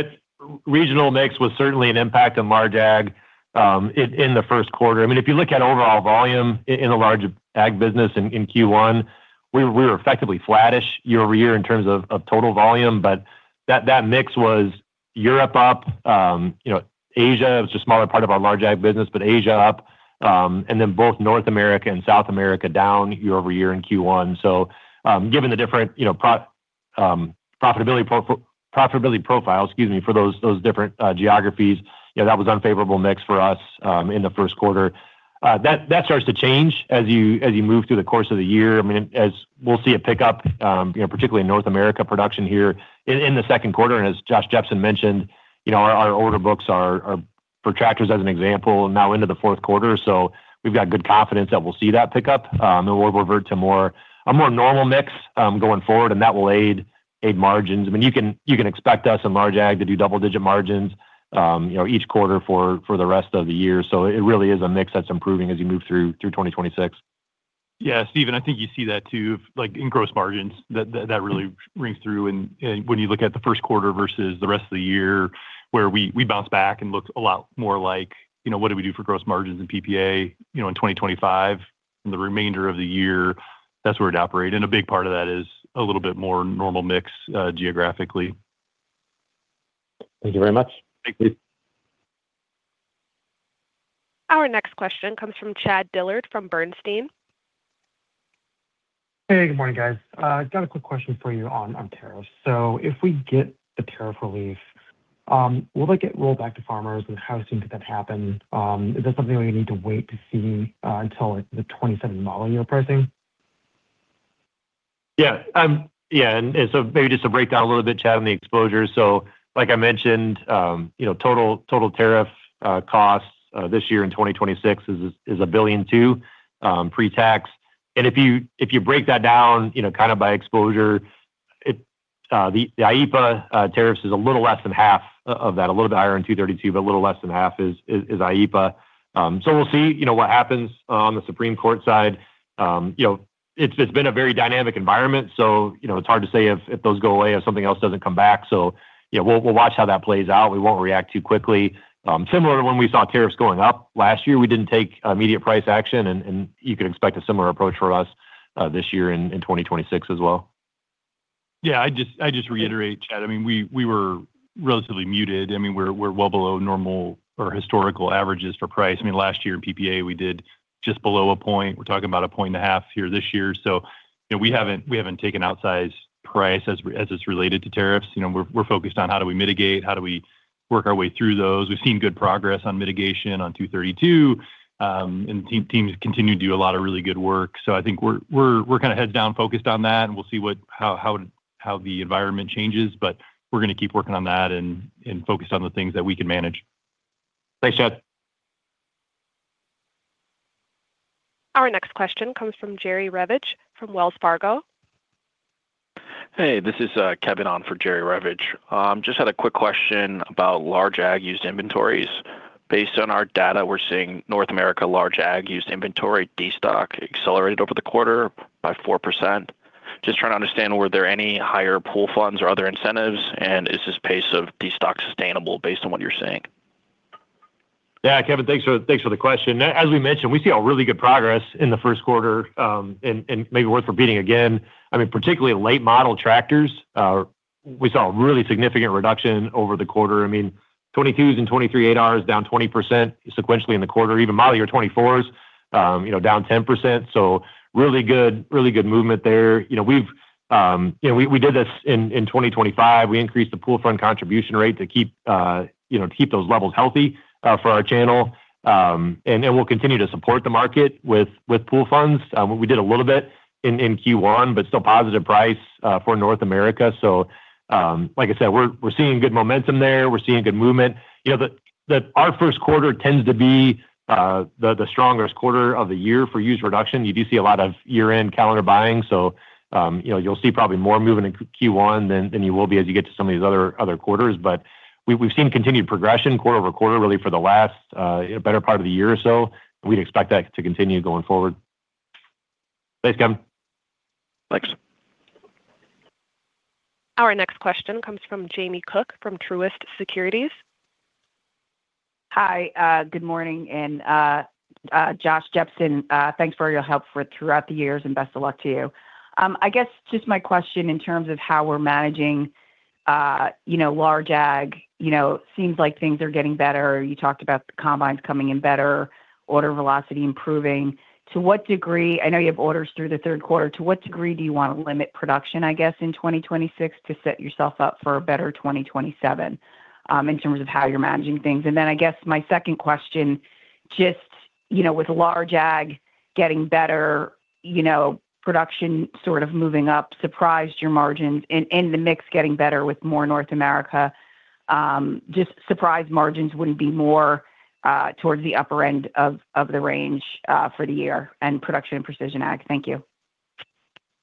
That regional mix was certainly an impact on large ag in the first quarter. I mean, if you look at overall volume in the large ag business in Q1, we were effectively flattish year-over-year in terms of total volume, but that mix was Europe up, you know, Asia, it was a smaller part of our large ag business, but Asia up, and then both North America and South America down year-over-year in Q1. So, given the different, you know, profitability profile, excuse me, for those different geographies, yeah, that was unfavorable mix for us in the first quarter. That starts to change as you move through the course of the year. I mean, as we'll see it pick up, you know, particularly in North America production here in the second quarter. And as Josh Jepsen mentioned, you know, our order books are for tractors, as an example, now into the fourth quarter. So we've got good confidence that we'll see that pick up, and we'll revert to a more normal mix, going forward, and that will aid margins. I mean, you can expect us in large ag to do double-digit margins, you know, each quarter for the rest of the year. So it really is a mix that's improving as you move through 2026. Yeah, Steven, I think you see that too, like in gross margins, that, that really rings through. And when you look at the first quarter versus the rest of the year, where we bounce back and looks a lot more like, you know, what do we do for gross margins in PPA, you know, in 2025 and the remainder of the year, that's where it operate. And a big part of that is a little bit more normal mix geographically. Thank you very much. Thank you. Our next question comes from Chad Dillard, from Bernstein. Hey, good morning, guys. Got a quick question for you on tariffs. So if we get the tariff relief, will they get rolled back to farmers, and how soon could that happen? Is that something we need to wait to see, until, like, the 27 model year pricing? Yeah, yeah. And so maybe just to break down a little bit, Chad, on the exposure. So like I mentioned, you know, total tariff costs this year in 2026 is $1.2 billion, pre-tax. And if you break that down, you know, kind of by exposure... The IEEPA tariffs is a little less than half of that, a little bit higher in 232, but a little less than half is IEEPA. So we'll see, you know, what happens on the Supreme Court side. You know, it's been a very dynamic environment, so, you know, it's hard to say if those go away or something else doesn't come back. So yeah, we'll watch how that plays out. We won't react too quickly. Similar to when we saw tariffs going up last year, we didn't take immediate price action, and you can expect a similar approach from us this year in 2026 as well. Yeah, I'd just reiterate, Chad. I mean, we were relatively muted. I mean, we're well below normal or historical averages for price. I mean, last year in PPA, we did just below 1. We're talking about 1.5 here this year. So, you know, we haven't taken outsized price as it's related to tariffs. You know, we're focused on how do we mitigate, how do we work our way through those. We've seen good progress on mitigation on 232, and teams continue to do a lot of really good work. So I think we're kind of heads down focused on that, and we'll see what... how the environment changes. But we're gonna keep working on that and focus on the things that we can manage. Thanks, Chad. Our next question comes from Jerry Revich from Wells Fargo. Hey, this is Kevin on for Jerry Revich. Just had a quick question about large ag used inventories. Based on our data, we're seeing North America large ag used inventory destock accelerated over the quarter by 4%. Just trying to understand, were there any higher pool funds or other incentives, and is this pace of destock sustainable based on what you're seeing? Yeah, Kevin, thanks for, thanks for the question. As we mentioned, we see a really good progress in the first quarter, and maybe worth repeating again. I mean, particularly late model tractors, we saw a really significant reduction over the quarter. I mean, 2022s and 2023s are down 20% sequentially in the quarter. Even model year 2024s, you know, down 10%. So really good, really good movement there. You know, we've, you know, we, we did this in 2025. We increased the Pool Funds contribution rate to keep, you know, to keep those levels healthy, for our channel. And we'll continue to support the market with Pool Funds. We did a little bit in Q1, but still positive price, for North America. So, like I said, we're seeing good momentum there. We're seeing good movement. You know, that our first quarter tends to be the strongest quarter of the year for used reduction. You do see a lot of year-end calendar buying, so, you know, you'll see probably more movement in Q1 than you will as you get to some of these other quarters. But we've seen continued progression quarter-over-quarter, really for the last better part of the year or so, and we'd expect that to continue going forward. Thanks, Kevin. Thanks. Our next question comes from Jamie Cook from Truist Securities. Hi, good morning, and, Josh Jepsen, thanks for all your help throughout the years, and best of luck to you. I guess just my question in terms of how we're managing, you know, large ag, you know, seems like things are getting better. You talked about the combines coming in better, order velocity improving. To what degree? I know you have orders through the third quarter, to what degree do you want to limit production, I guess, in 2026 to set yourself up for a better 2027, in terms of how you're managing things? And then I guess my second question, just, you know, with large ag getting better, you know, production sort of moving up, surprised your margins and the mix getting better with more North America, just surprised margins wouldn't be more towards the upper end of the range for the year and production and precision ag. Thank you.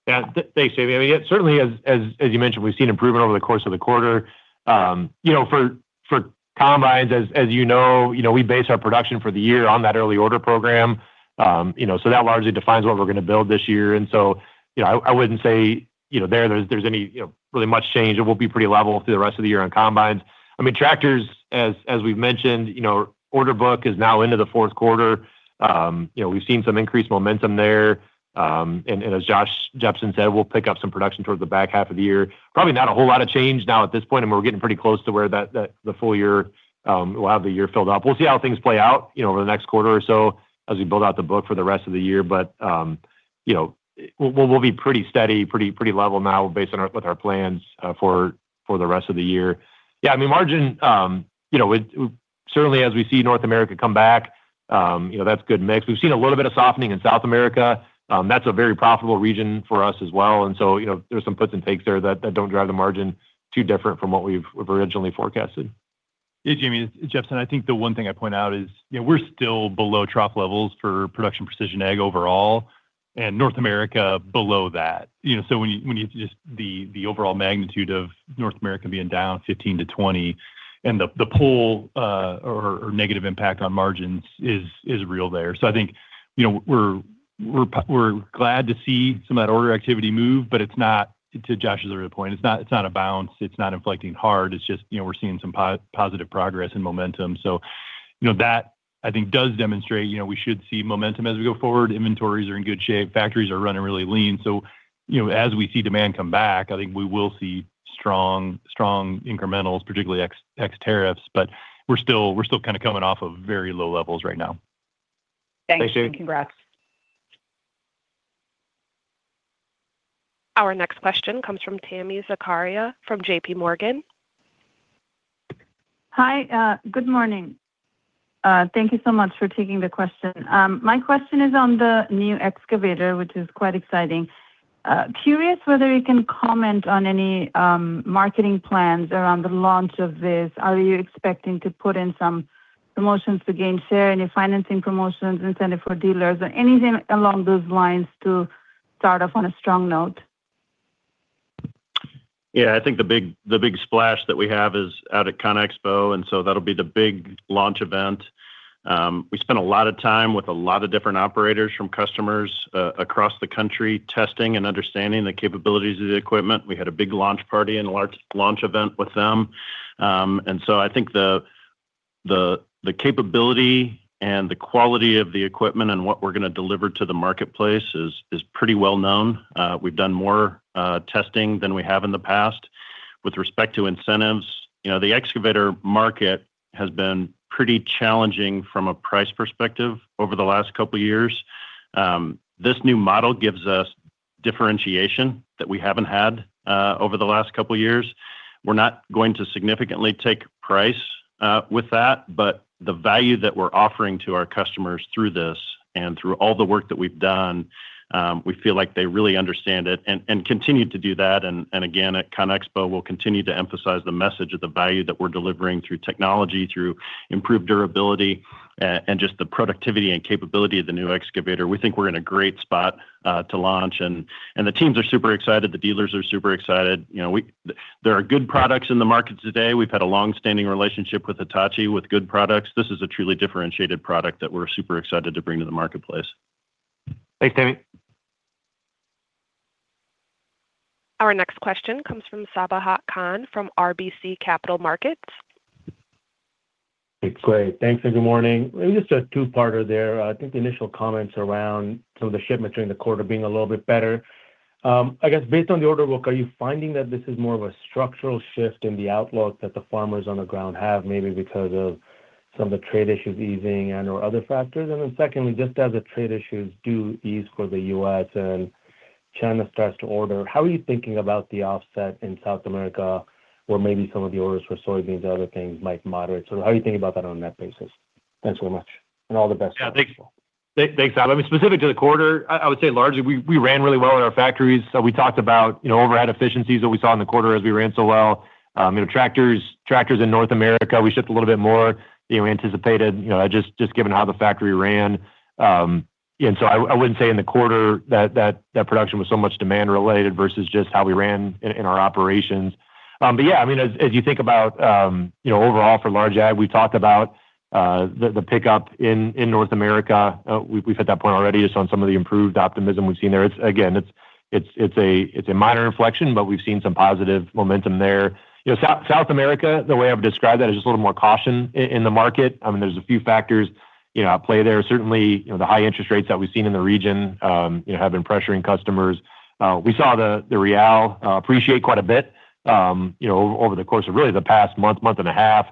Yeah, thanks, Jamie. I mean, yeah, certainly as you mentioned, we've seen improvement over the course of the quarter. You know, for combines, as you know, we base our production for the year on that early order program. You know, so that largely defines what we're gonna build this year, and so, you know, I wouldn't say, you know, there's any, you know, really much change. It will be pretty level through the rest of the year on combines. I mean, tractors, as we've mentioned, you know, order book is now into the fourth quarter. You know, we've seen some increased momentum there, and as Josh Jepsen said, we'll pick up some production towards the back half of the year. Probably not a whole lot of change now at this point, and we're getting pretty close to where that, the full year, we'll have the year filled up. We'll see how things play out, you know, over the next quarter or so as we build out the book for the rest of the year. But, you know, we'll be pretty steady, pretty level now, based on our plans for the rest of the year. Yeah, I mean, margin, you know, certainly as we see North America come back, you know, that's good mix. We've seen a little bit of softening in South America. That's a very profitable region for us as well, and so, you know, there's some puts and takes there that don't drive the margin too different from what we've originally forecasted. Yeah, Jamie, it's Jepsen. I think the one thing I'd point out is, you know, we're still below trough levels for production precision ag overall, and North America below that. You know, so the overall magnitude of North America being down 15%-20% and the pull, or negative impact on margins is real there. So I think, you know, we're glad to see some of that order activity move, but it's not, to Josh's earlier point, it's not a bounce, it's not inflecting hard. It's just, you know, we're seeing some positive progress and momentum. So, you know, that, I think, does demonstrate, you know, we should see momentum as we go forward. Inventories are in good shape. Factories are running really lean. So, you know, as we see demand come back, I think we will see strong, strong incrementals, particularly ex- ex tariffs, but we're still, we're still kind of coming off of very low levels right now. Thanks, Jamie. Thanks, Jamie. Congrats. Our next question comes from Tammy Zakaria from JP Morgan. Hi, good morning. Thank you so much for taking the question. My question is on the new excavator, which is quite exciting. Curious whether you can comment on any marketing plans around the launch of this. Are you expecting to put in some promotions to gain share, any financing promotions, incentive for dealers, or anything along those lines to start off on a strong note? Yeah, I think the big splash that we have is out at CONEXPO, and so that'll be the big launch event. We spent a lot of time with a lot of different operators, from customers, across the country, testing and understanding the capabilities of the equipment. We had a big launch party and a large launch event with them. And so I think the capability and the quality of the equipment and what we're going to deliver to the marketplace is pretty well known. We've done more testing than we have in the past. With respect to incentives, you know, the excavator market has been pretty challenging from a price perspective over the last couple of years. This new model gives us differentiation that we haven't had over the last couple of years. We're not going to significantly take price, with that, but the value that we're offering to our customers through this and through all the work that we've done, we feel like they really understand it. And continue to do that, and again, at CONEXPO, we'll continue to emphasize the message of the value that we're delivering through technology, through improved durability, and just the productivity and capability of the new excavator. We think we're in a great spot, to launch, and the teams are super excited, the dealers are super excited. You know, there are good products in the market today. We've had a long-standing relationship with Hitachi, with good products. This is a truly differentiated product that we're super excited to bring to the marketplace. Thanks, Jamie. Our next question comes from Sabahat Khan, from RBC Capital Markets. It's great. Thanks, and good morning. Just a two-parter there. I think the initial comments around some of the shipments during the quarter being a little bit better. I guess based on the order book, are you finding that this is more of a structural shift in the outlook that the farmers on the ground have, maybe because of some of the trade issues easing and/or other factors? Then secondly, just as the trade issues do ease for the U.S. and China starts to order, how are you thinking about the offset in South America, where maybe some of the orders for soybeans or other things might moderate? How are you thinking about that on that basis? Thanks so much, and all the best. Yeah, thanks. Thanks, Sabahat. I mean, specific to the quarter, I would say largely, we ran really well in our factories. So we talked about, you know, overhead efficiencies that we saw in the quarter as we ran so well. You know, tractors in North America, we shipped a little bit more than we anticipated, you know, just given how the factory ran. And so I wouldn't say in the quarter that that production was so much demand-related versus just how we ran in our operations. But yeah, I mean, as you think about, you know, overall for large ag, we talked about the pickup in North America. We've hit that point already, just on some of the improved optimism we've seen there. It's again, it's a minor inflection, but we've seen some positive momentum there. You know, South America, the way I've described that, is just a little more caution in the market. I mean, there's a few factors, you know, at play there. Certainly, you know, the high interest rates that we've seen in the region, you know, have been pressuring customers. We saw the Real appreciate quite a bit, you know, over the course of really the past month, month and a half.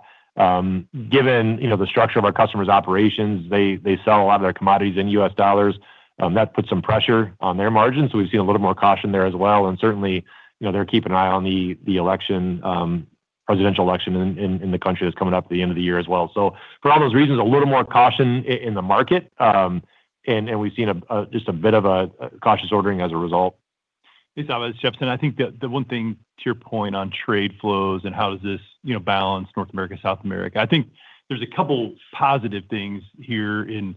Given, you know, the structure of our customers' operations, they sell a lot of their commodities in U.S. dollars, that puts some pressure on their margins, so we've seen a little more caution there as well. And certainly, you know, they're keeping an eye on the election, presidential election in the country that's coming up at the end of the year as well. So for all those reasons, a little more caution in the market, and we've seen just a bit of a cautious ordering as a result. Hey, Sabahat, it's Josh Jepsen. I think the one thing to your point on trade flows and how does this, you know, balance North America, South America, I think there's a couple positive things here, and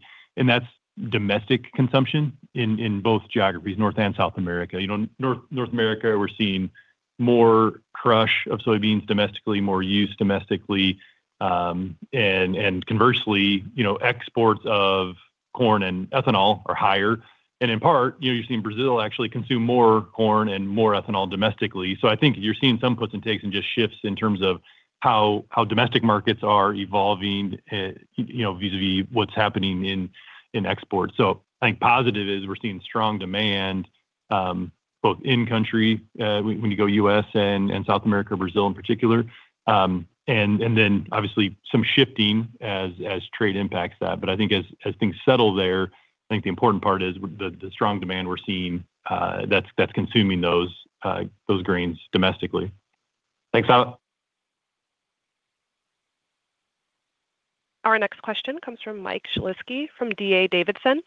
that's domestic consumption in both geographies, North and South America. You know, North America, we're seeing more crush of soybeans domestically, more use domestically, and conversely, you know, exports of corn and ethanol are higher. In part, you know, you've seen Brazil actually consume more corn and more ethanol domestically. So I think you're seeing some puts and takes and just shifts in terms of how, how domestic markets are evolving, you know, vis-a-vis what's happening in, in exports. So I think positive is we're seeing strong demand, both in-country, when, when you go U.S. and, and South America, Brazil in particular. And, and then obviously some shifting as, as trade impacts that. But I think as, as things settle there, I think the important part is the, the strong demand we're seeing, that's, that's consuming those, those grains domestically. Thanks, Saba. Our next question comes from Mike Shlisky, from D.A. Davidson.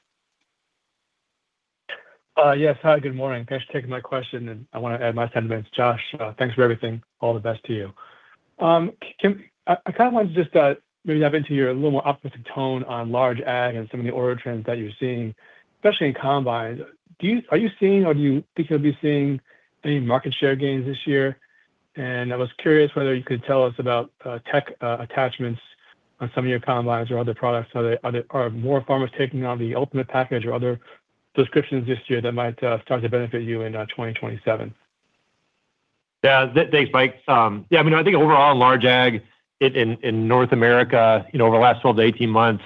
Yes. Hi, good morning. Thanks for taking my question, and I want to add my sentiments. Josh, thanks for everything. All the best to you. Tim, I kind of want to just maybe dive into you're a little more optimistic tone on large ag and some of the order trends that you're seeing, especially in combines. Are you seeing or do you think you'll be seeing any market share gains this year? And I was curious whether you could tell us about tech attachments on some of your combines or other products. Are more farmers taking on the Ultimate package or other subscriptions this year that might start to benefit you in 2027? Yeah. Thanks, Mike. Yeah, I mean, I think overall, large ag in North America, you know, over the last 12-18 months,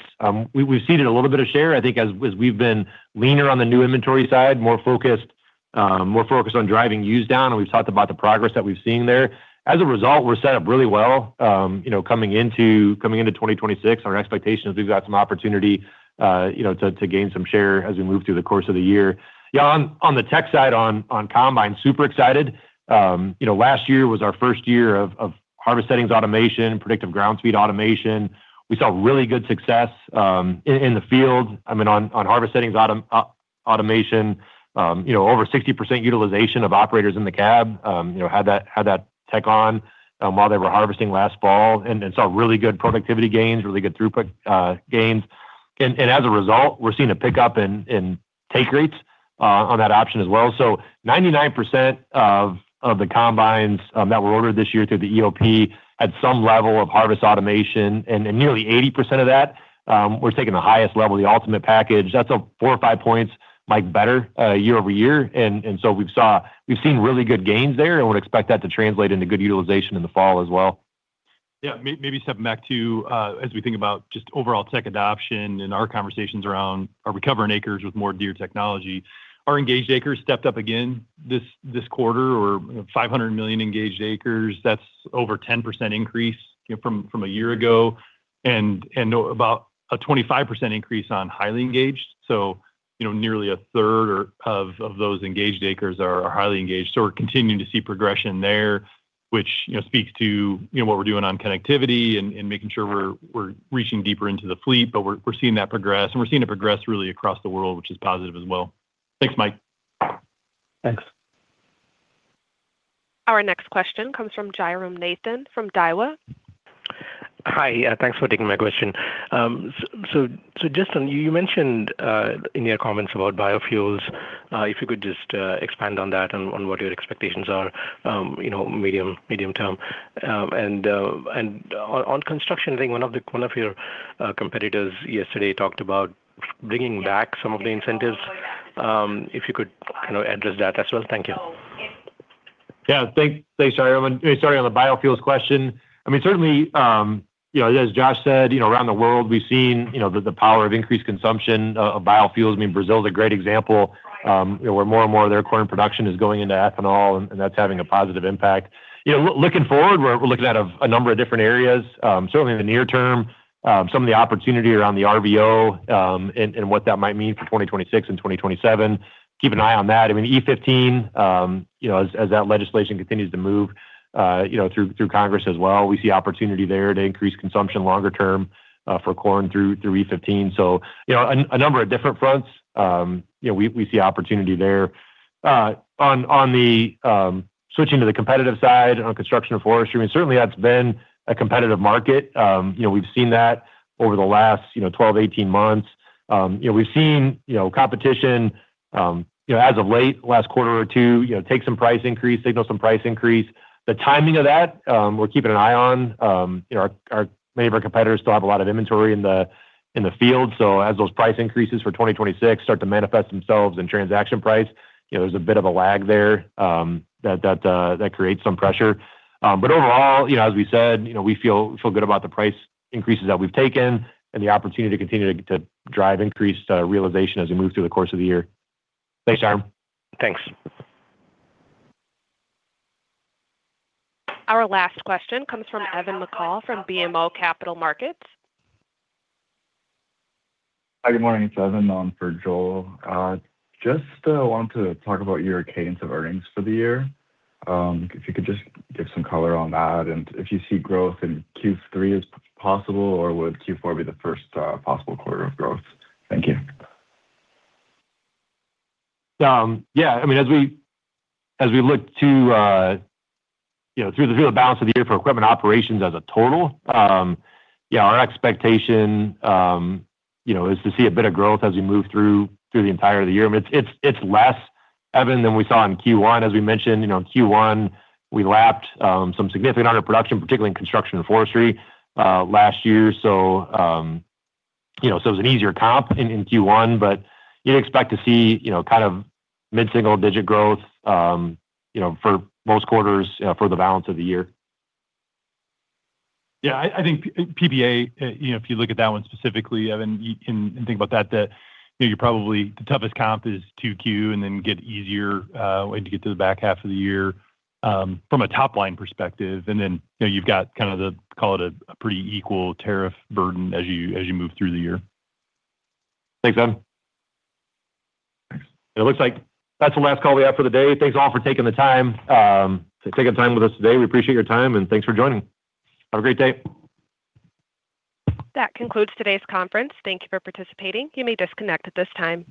we've ceded a little bit of share. I think as we've been leaner on the new inventory side, more focused, more focused on driving use down, and we've talked about the progress that we've seen there. As a result, we're set up really well, you know, coming into 2026. Our expectation is we've got some opportunity, you know, to gain some share as we move through the course of the year. Yeah, on the tech side, on combine, super excited. You know, last year was our first year of Harvest Settings Automation, Predictive Ground Speed Automation. We saw really good success, in the field. I mean, on harvest settings auto automation, you know, over 60% utilization of operators in the cab, you know, had that, had that tech on, while they were harvesting last fall, and saw really good productivity gains, really good throughput gains. And as a result, we're seeing a pickup in take rates on that option as well. So 99% of the combines that were ordered this year through the EOP had some level of harvest automation, and nearly 80% of that was taking the highest level, the Ultimate package. That's 4 or 5 points, Mike, better year-over-year. And so we've seen really good gains there, and we'd expect that to translate into good utilization in the fall as well. Yeah. Maybe stepping back to as we think about just overall tech adoption and our conversations around, are we covering acres with more Deere technology? Our Engaged Acres stepped up again this quarter, 500 million Engaged Acres. That's over 10% increase, you know, from a year ago, and about a 25% increase on highly engaged. So, you know, nearly a third of those Engaged Acres are highly engaged. So we're continuing to see progression there, which, you know, speaks to what we're doing on connectivity and making sure we're reaching deeper into the fleet. But we're seeing that progress, and we're seeing it progress really across the world, which is positive as well. Thanks, Mike. Thanks. Our next question comes from Jairam Nathan, from Daiwa. Hi. Yeah, thanks for taking my question. So, Justin, you mentioned in your comments about biofuels if you could just expand on that and on what your expectations are, you know, medium, medium term. And on construction, I think one of your competitors yesterday talked about bringing back some of the incentives. If you could kind of address that as well. Thank you. Yeah, thanks, thanks, Jairam. Sorry, on the biofuels question, I mean, certainly, you know, as Josh said, you know, around the world we've seen, you know, the power of increased consumption of biofuels. I mean, Brazil is a great example, you know, where more and more of their corn production is going into ethanol, and that's having a positive impact. You know, looking forward, we're looking at a number of different areas. Certainly in the near term, some of the opportunity around the RVO, and what that might mean for 2026 and 2027. Keep an eye on that. I mean, E15, you know, as that legislation continues to move, you know, through Congress as well, we see opportunity there to increase consumption longer term, for corn through E15. So, you know, on a number of different fronts, you know, we, we see opportunity there. On, on the, switching to the competitive side on construction and forestry, I mean, certainly that's been a competitive market. You know, we've seen that over the last, you know, 12, 18 months. You know, we've seen, you know, competition, you know, as of late, last quarter or two, you know, take some price increase, signal some price increase. The timing of that, we're keeping an eye on. You know, our many of our competitors still have a lot of inventory in the, in the field, so as those price increases for 2026 start to manifest themselves in transaction price, you know, there's a bit of a lag there, that creates some pressure. But overall, you know, as we said, you know, we feel good about the price increases that we've taken and the opportunity to continue to drive increased realization as we move through the course of the year. Thanks, Jairam. Thanks. Our last question comes from Evan McCall from BMO Capital Markets. Hi, good morning. It's Evan, for Joel. Just wanted to talk about your cadence of earnings for the year. If you could just give some color on that, and if you see growth in Q3 as possible, or would Q4 be the first possible quarter of growth? Thank you. Yeah, I mean, as we look to, you know, through the balance of the year for equipment operations as a total, yeah, our expectation, you know, is to see a bit of growth as we move through the entire of the year. I mean, it's less, Evan, than we saw in Q1. As we mentioned, you know, in Q1, we lapped some significant underproduction, particularly in construction and forestry, last year. So, you know, so it's an easier comp in Q1, but you'd expect to see, you know, kind of mid-single-digit growth, you know, for most quarters, for the balance of the year. Yeah, I think PPA, you know, if you look at that one specifically, Evan, you can and think about that, you know, you're probably the toughest comp is 2Q, and then get easier when you get to the back half of the year from a top-line perspective. And then, you know, you've got kind of the call it a pretty equal tariff burden as you move through the year. Thanks, Evan. Thanks. It looks like that's the last call we have for the day. Thanks, all, for taking the time, for taking time with us today. We appreciate your time, and thanks for joining. Have a great day. That concludes today's conference. Thank you for participating. You may disconnect at this time.